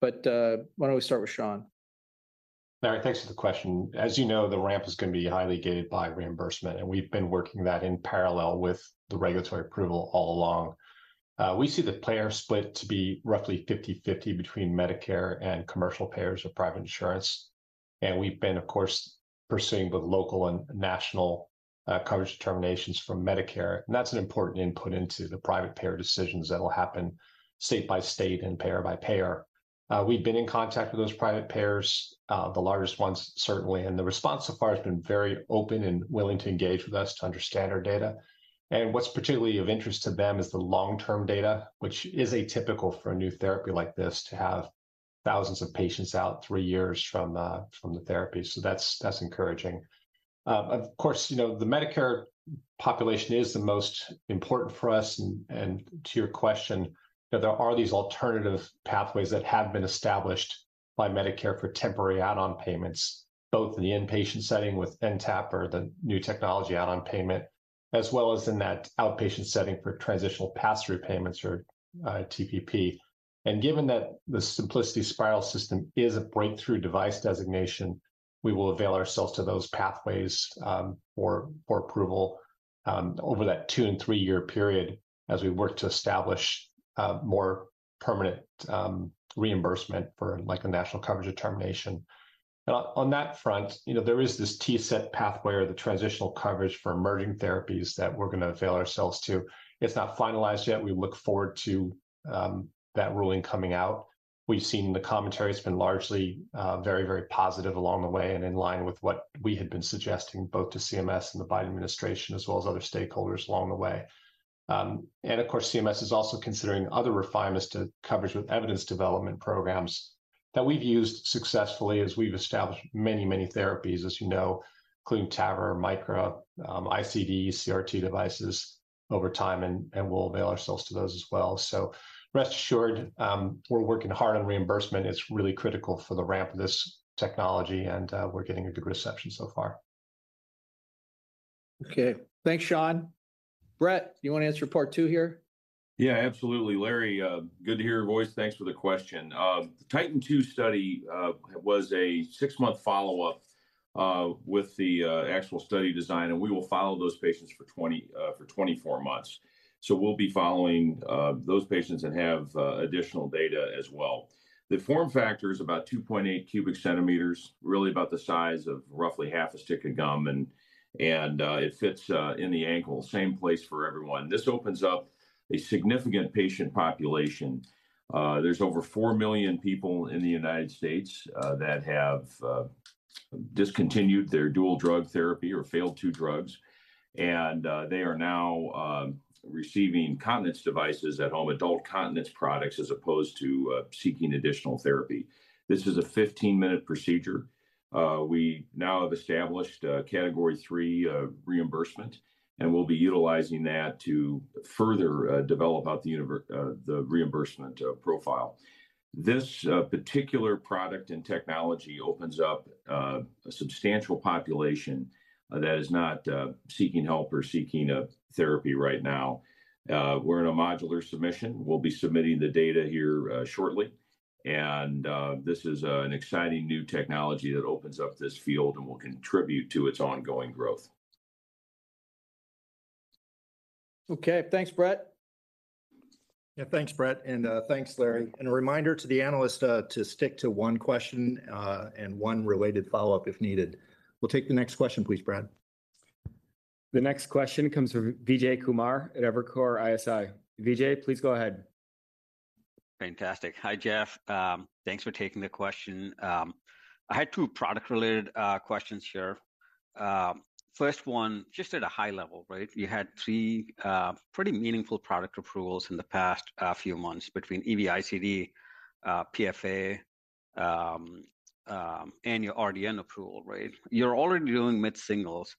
but, why don't we start with Sean? Larry, thanks for the question. As you know, the ramp is gonna be highly gated by reimbursement, and we've been working that in parallel with the regulatory approval all along. We see the payer split to be roughly 50/50 between Medicare and commercial payers or private insurance, and we've been, of course, pursuing both local and national, coverage determinations from Medicare, and that's an important input into the private payer decisions that will happen state by state and payer by payer. We've been in contact with those private payers, the largest ones certainly, and the response so far has been very open and willing to engage with us to understand our data. And what's particularly of interest to them is the long-term data, which is atypical for a new therapy like this, to have thousands of patients out three years from the therapy, so that's encouraging. Of course, you know, the Medicare population is the most important for us, and to your question, you know, there are these alternative pathways that have been established by Medicare for temporary add-on payments, both in the inpatient setting with NTAP or the new technology add-on payment, as well as in that outpatient setting for transitional pass-through payments or TPP. And given that the Symplicity Spyral system is a breakthrough device designation, we will avail ourselves to those pathways for approval over that two- and three-year period as we work to establish a more permanent reimbursement for, like, a national coverage determination. On that front, you know, there is this TCET pathway or the transitional coverage for emerging therapies that we're gonna avail ourselves to. It's not finalized yet. We look forward to that ruling coming out. We've seen the commentary. It's been largely very, very positive along the way and in line with what we had been suggesting both to CMS and the Biden administration, as well as other stakeholders along the way. And of course, CMS is also considering other refinements to coverage with evidence development programs that we've used successfully as we've established many, many therapies, as you know, including TAVR, Micra, ICD, CRT devices over time, and we'll avail ourselves to those as well. So rest assured, we're working hard on reimbursement. It's really critical for the ramp of this technology, and we're getting a good reception so far. Okay. Thanks, Sean. Brett, do you wanna answer part two here? Yeah, absolutely. Larry, good to hear your voice. Thanks for the question. The TITAN 2 study was a six-month follow-up with the actual study design, and we will follow those patients for 24 months. So we'll be following those patients and have additional data as well. The form factor is about 2.8 cubic centimeters, really about the size of roughly half a stick of gum, and it fits in the ankle, same place for everyone. This opens up a significant patient population. There's over 4 million people in the United States that have discontinued their dual drug therapy or failed two drugs, and they are now receiving continence devices at-home adult continence products, as opposed to seeking additional therapy. This is a 15-minute procedure. We now have established a Category 3 reimbursement, and we'll be utilizing that to further develop out the reimbursement profile. This particular product and technology opens up a substantial population that is not seeking help or seeking a therapy right now. We're in a modular submission. We'll be submitting the data here shortly, and this is an exciting new technology that opens up this field and will contribute to its ongoing growth. Okay. Thanks, Brett. Yeah, thanks, Brett, and thanks, Larry. A reminder to the analyst to stick to one question and one related follow-up if needed. We'll take the next question, please, Brad. The next question comes from Vijay Kumar at Evercore ISI. Vijay, please go ahead. Fantastic. Hi, Geoff. Thanks for taking the question. I had two product-related questions here. First one, just at a high level, right? You had three pretty meaningful product approvals in the past few months between EV-ICD, PFA, and your RDN approval, right? You're already doing mid-singles.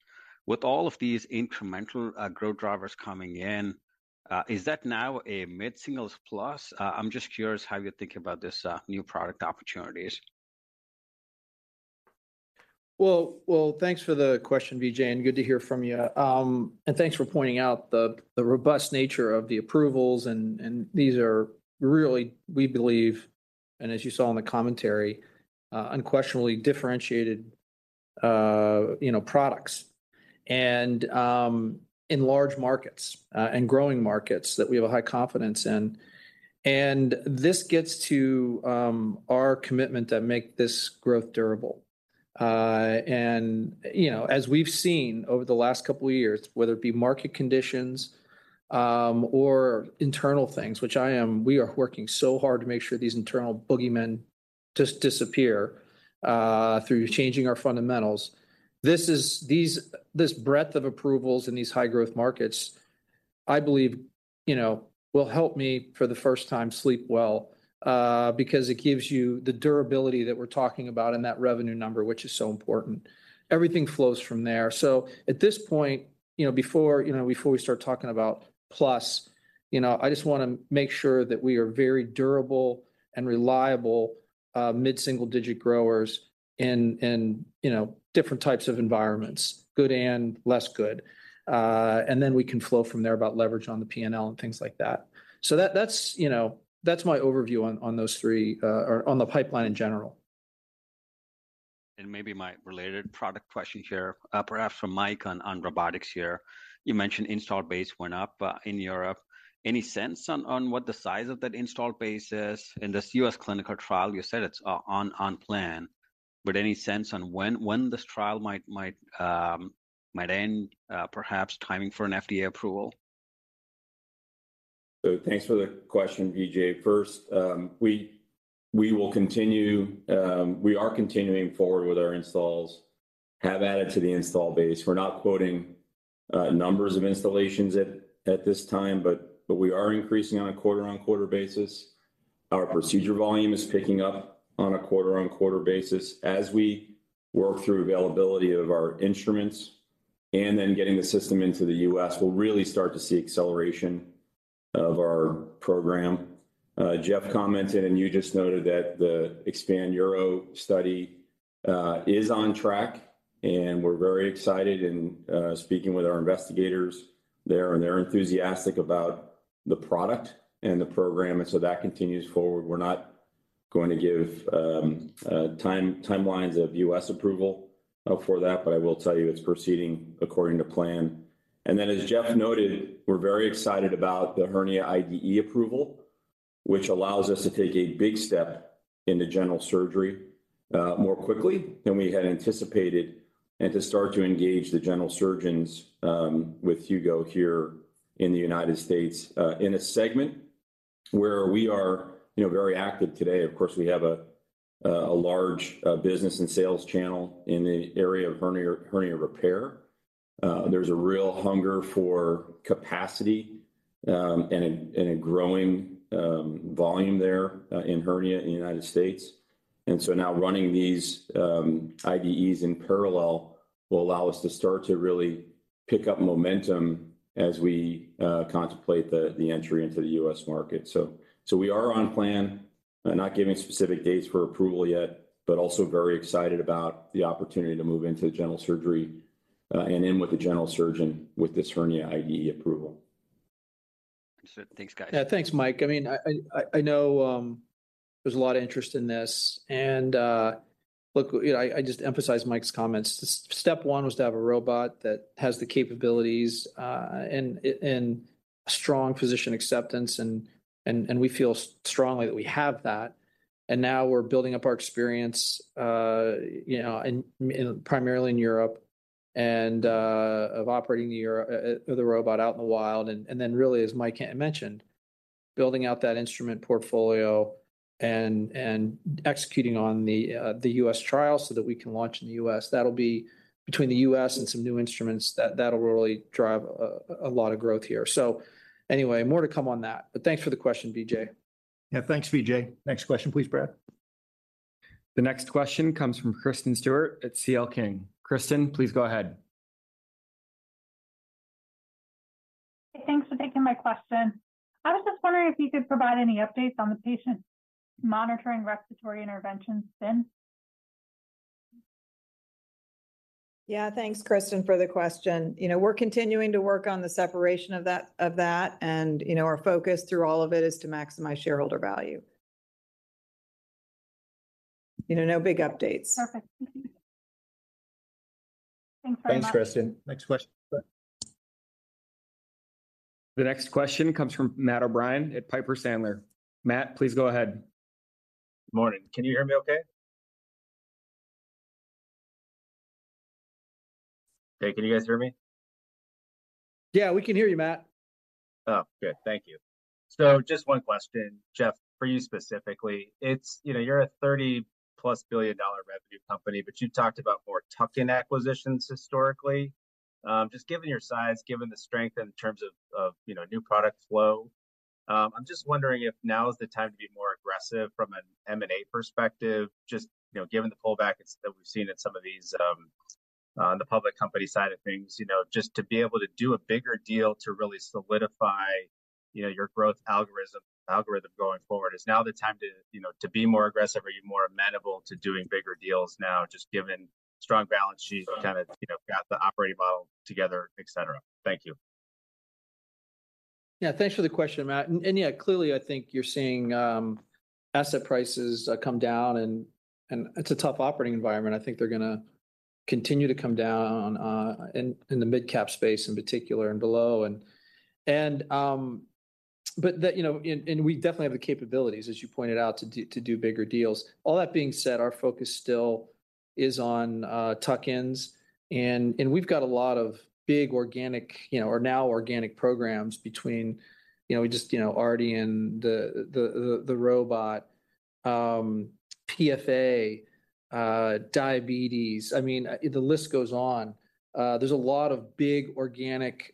With all of these incremental growth drivers coming in, is that now a mid-singles plus? I'm just curious how you're thinking about this new product opportunities. Well, thanks for the question, Vijay, and good to hear from you. And thanks for pointing out the robust nature of the approvals, and these are really, we believe, and as you saw in the commentary, unquestionably differentiated, you know, products. And in large markets, and growing markets that we have a high confidence in. And this gets to our commitment to make this growth durable. And, you know, as we've seen over the last couple of years, whether it be market conditions, or internal things, which we are working so hard to make sure these internal boogeymen just disappear, through changing our fundamentals. This breadth of approvals in these high-growth markets, I believe, you know, will help me, for the first time, sleep well, because it gives you the durability that we're talking about and that revenue number, which is so important. Everything flows from there. So at this point, you know, before, you know, before we start talking about plus, you know, I just wanna make sure that we are very durable and reliable, mid-single-digit growers in, in, you know, different types of environments, good and less good. And then we can flow from there about leverage on the P&L and things like that. So that's, you know, that's my overview on, on those three, or on the pipeline in general. Maybe my related product question here, perhaps for Mike on robotics here. You mentioned installed base went up in Europe. Any sense on what the size of that installed base is? In this U.S. clinical trial, you said it's on plan, but any sense on when this trial might end, perhaps timing for an FDA approval? So thanks for the question, Vijay. First, we are continuing forward with our installs, have added to the install base. We're not quoting numbers of installations at this time, but we are increasing on a quarter-over-quarter basis. Our procedure volume is picking up on a quarter-over-quarter basis. As we work through availability of our instruments and then getting the system into the U.S., we'll really start to see acceleration of our program. Geoff commented, and you just noted that the EXPAND URO study is on track, and we're very excited in speaking with our investigators there, and they're enthusiastic about the product and the program, and so that continues forward. We're not going to give timelines of U.S. approval for that, but I will tell you it's proceeding according to plan. And then, as Geoff noted, we're very excited about the hernia IDE approval, which allows us to take a big step into general surgery, more quickly than we had anticipated, and to start to engage the general surgeons, with Hugo here in the United States, in a segment where we are, you know, very active today. Of course, we have a large business and sales channel in the area of hernia, hernia repair. There's a real hunger for capacity, and a growing volume there, in hernia in the United States. And so now running these IDEs in parallel will allow us to start to really pick up momentum as we contemplate the entry into the U.S. market. So we are on plan, not giving specific dates for approval yet, but also very excited about the opportunity to move into general surgery, and in with the general surgeon with this hernia IDE approval. Thanks, guys. Yeah, thanks, Mike. I mean, I know there's a lot of interest in this, and look, you know, I just emphasize Mike's comments. Step one was to have a robot that has the capabilities and strong physician acceptance, and we feel strongly that we have that. And now we're building up our experience, you know, primarily in Europe and of operating in Europe, the robot out in the wild. And then really, as Mike mentioned, building out that instrument portfolio and executing on the U.S. trial so that we can launch in the U.S. That'll be between the U.S. and some new instruments, that'll really drive a lot of growth here. So anyway, more to come on that, but thanks for the question, Vijay. Yeah, thanks, Vijay. Next question, please, Brad. The next question comes from Kristin Stewart at CL King. Kristin, please go ahead. Hey, thanks for taking my question. I was just wondering if you could provide any updates on the patient monitoring respiratory intervention spin? Yeah, thanks, Kristin, for the question. You know, we're continuing to work on the separation of that, of that, and, you know, our focus through all of it is to maximize shareholder value. You know, no big updates. Perfect. Thank you. Thanks very much. Thanks, Kristin. Next question, please. The next question comes from Matt O'Brien at Piper Sandler. Matt, please go ahead. Good morning. Can you hear me okay? Hey, can you guys hear me? Yeah, we can hear you, Matt. Oh, good. Thank you. So just one question, Geoff, for you specifically. It's, you know, you're a $30+ billion revenue company, but you talked about more tuck-in acquisitions historically. Just given your size, given the strength in terms of, of, you know, new product flow, I'm just wondering if now is the time to be more aggressive from an M&A perspective, just, you know, given the pullbacks that we've seen at some of these, on the public company side of things. You know, just to be able to do a bigger deal to really solidify, you know, your growth algorithm going forward. Is now the time to, you know, to be more aggressive? Are you more amenable to doing bigger deals now, just given strong balance sheet, kind of, you know, got the operating model together, et cetera? Thank you. Yeah, thanks for the question, Matt. Yeah, clearly, I think you're seeing asset prices come down, and it's a tough operating environment. I think they're gonna continue to come down in the mid-cap space in particular, and below. But that, you know... We definitely have the capabilities, as you pointed out, to do bigger deals. All that being said, our focus still is on tuck-ins, and we've got a lot of big organic, you know, or now organic programs between, you know, we just, you know, R&D and the robot, PFA, diabetes. I mean, the list goes on. There's a lot of big organic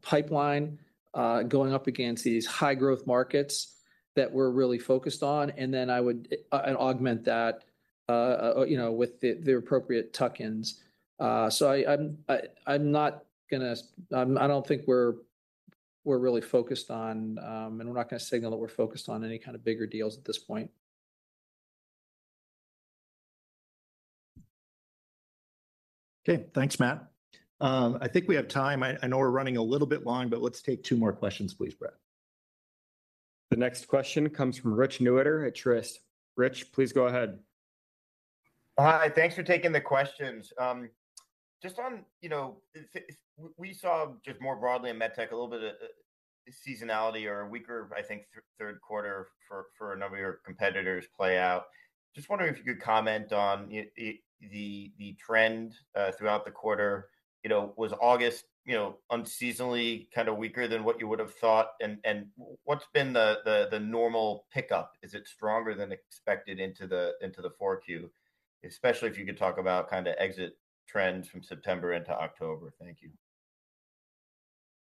pipeline going up against these high growth markets that we're really focused on, and then I would augment that, you know, with the appropriate tuck-ins. So, I don't think we're really focused on and we're not gonna signal that we're focused on any kind of bigger deals at this point. Okay, thanks, Matt. I think we have time. I know we're running a little bit long, but let's take two more questions, please, Brad. The next question comes from Rich Newitter at Truist. Rich, please go ahead. Hi, thanks for taking the questions. Just on, you know, if we saw just more broadly in med tech, a little bit, seasonality or weaker, I think, Q3 for a number of your competitors play out. Just wondering if you could comment on the trend throughout the quarter. You know, was August, you know, unseasonally kind of weaker than what you would have thought? And what's been the normal pickup? Is it stronger than expected into the 4Q? Especially if you could talk about kind of exit trends from September into October. Thank you.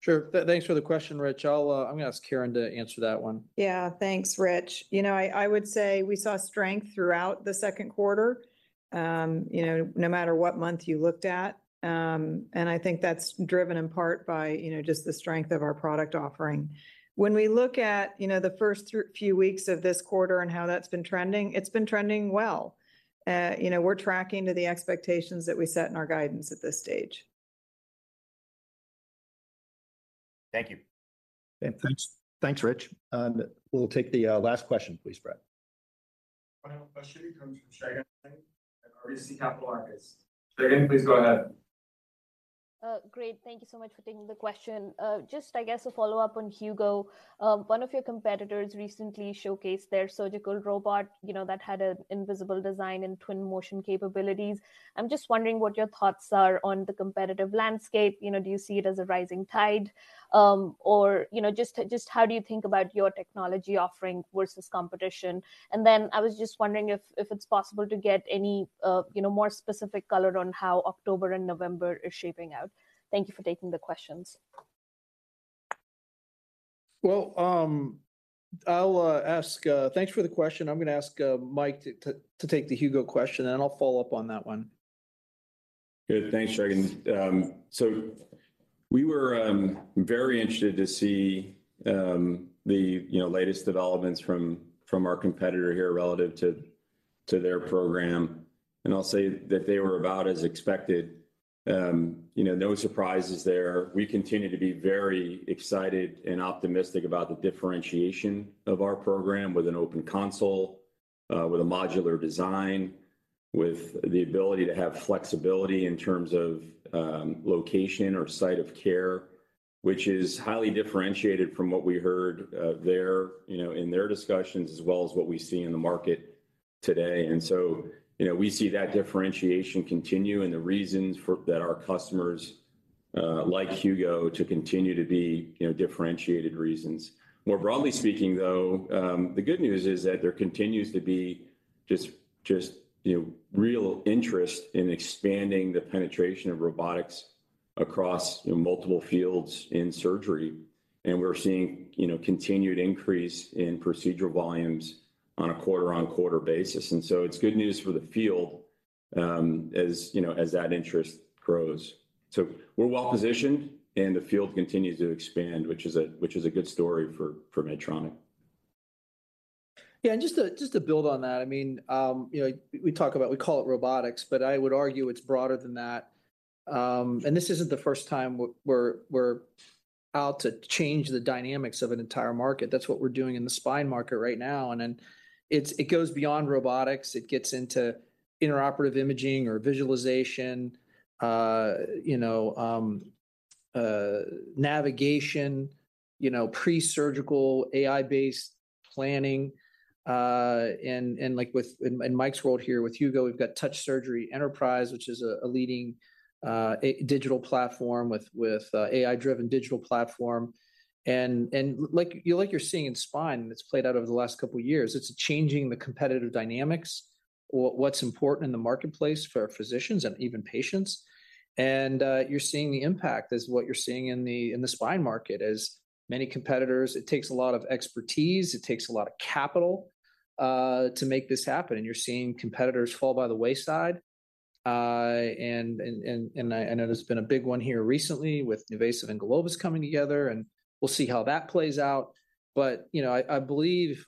Sure. Thanks for the question, Rich. I'll, I'm gonna ask Karen to answer that one. Yeah. Thanks, Rich. You know, I, I would say we saw strength throughout the Q2, you know, no matter what month you looked at. I think that's driven in part by, you know, just the strength of our product offering. When we look at, you know, the first few weeks of this quarter and how that's been trending, it's been trending well. You know, we're tracking to the expectations that we set in our guidance at this stage. Thank you. Okay, thanks. Thanks, Rich. We'll take the last question, please, Brad. Final question comes from Shagun at RBC Capital Markets. Shagun, please go ahead. Great. Thank you so much for taking the question. Just, I guess, a follow-up on Hugo. One of your competitors recently showcased their surgical robot, you know, that had an invisible design and twin motion capabilities. I'm just wondering what your thoughts are on the competitive landscape. You know, do you see it as a rising tide? Or, you know, just how do you think about your technology offering versus competition? And then I was just wondering if it's possible to get any, you know, more specific color on how October and November is shaping out. Thank you for taking the questions. Well, thanks for the question. I'm gonna ask Mike to take the Hugo question, and I'll follow up on that one. Good. Thanks, Shagun. So we were very interested to see the, you know, latest developments from our competitor here relative to their program, and I'll say that they were about as expected. You know, no surprises there. We continue to be very excited and optimistic about the differentiation of our program with an open console, with a modular design, with the ability to have flexibility in terms of location or site of care, which is highly differentiated from what we heard there, you know, in their discussions, as well as what we see in the market today. And so, you know, we see that differentiation continue and the reasons for that our customers like Hugo to continue to be, you know, differentiated reasons. More broadly speaking, though, the good news is that there continues to be just, you know, real interest in expanding the penetration of robotics across, you know, multiple fields in surgery. And we're seeing, you know, continued increase in procedural volumes on a quarter-over-quarter basis. And so it's good news for the field, as, you know, as that interest grows. So we're well positioned, and the field continues to expand, which is a good story for Medtronic. Yeah, and just to build on that, I mean, you know, we talk about—we call it robotics, but I would argue it's broader than that. And this isn't the first time we're out to change the dynamics of an entire market. That's what we're doing in the spine market right now. And then, it goes beyond robotics. It gets into intraoperative imaging or visualization, you know, navigation, you know, pre-surgical, AI-based planning, and like with Mike's world here, with Hugo, we've got Touch Surgery Enterprise, which is a leading digital platform with AI-driven digital platform. And like you're seeing in spine, that's played out over the last couple of years. It's changing the competitive dynamics, what, what's important in the marketplace for our physicians and even patients. And you're seeing the impact is what you're seeing in the spine market. As many competitors, it takes a lot of expertise, it takes a lot of capital to make this happen, and you're seeing competitors fall by the wayside. And there's been a big one here recently with NuVasive and Globus coming together, and we'll see how that plays out. But, you know, I believe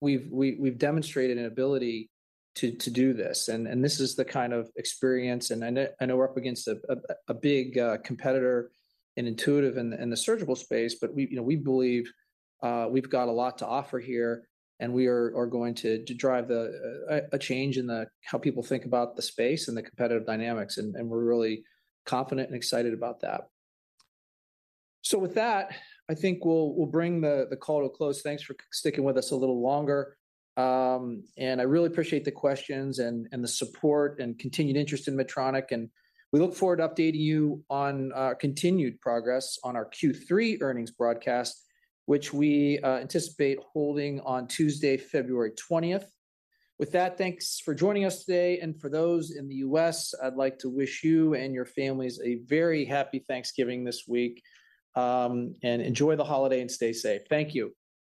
we've demonstrated an ability to do this, and this is the kind of experience, and I know we're up against a big competitor in Intuitive in the surgical space, but we, you know, we believe we've got a lot to offer here, and we are going to drive a change in how people think about the space and the competitive dynamics, and we're really confident and excited about that. So with that, I think we'll bring the call to a close. Thanks for sticking with us a little longer. And I really appreciate the questions and, and the support and continued interest in Medtronic, and we look forward to updating you on our continued progress on our Q3 earnings broadcast, which we anticipate holding on Tuesday, February 20th. With that, thanks for joining us today, and for those in the U.S., I'd like to wish you and your families a very happy Thanksgiving this week. Enjoy the holiday and stay safe. Thank you.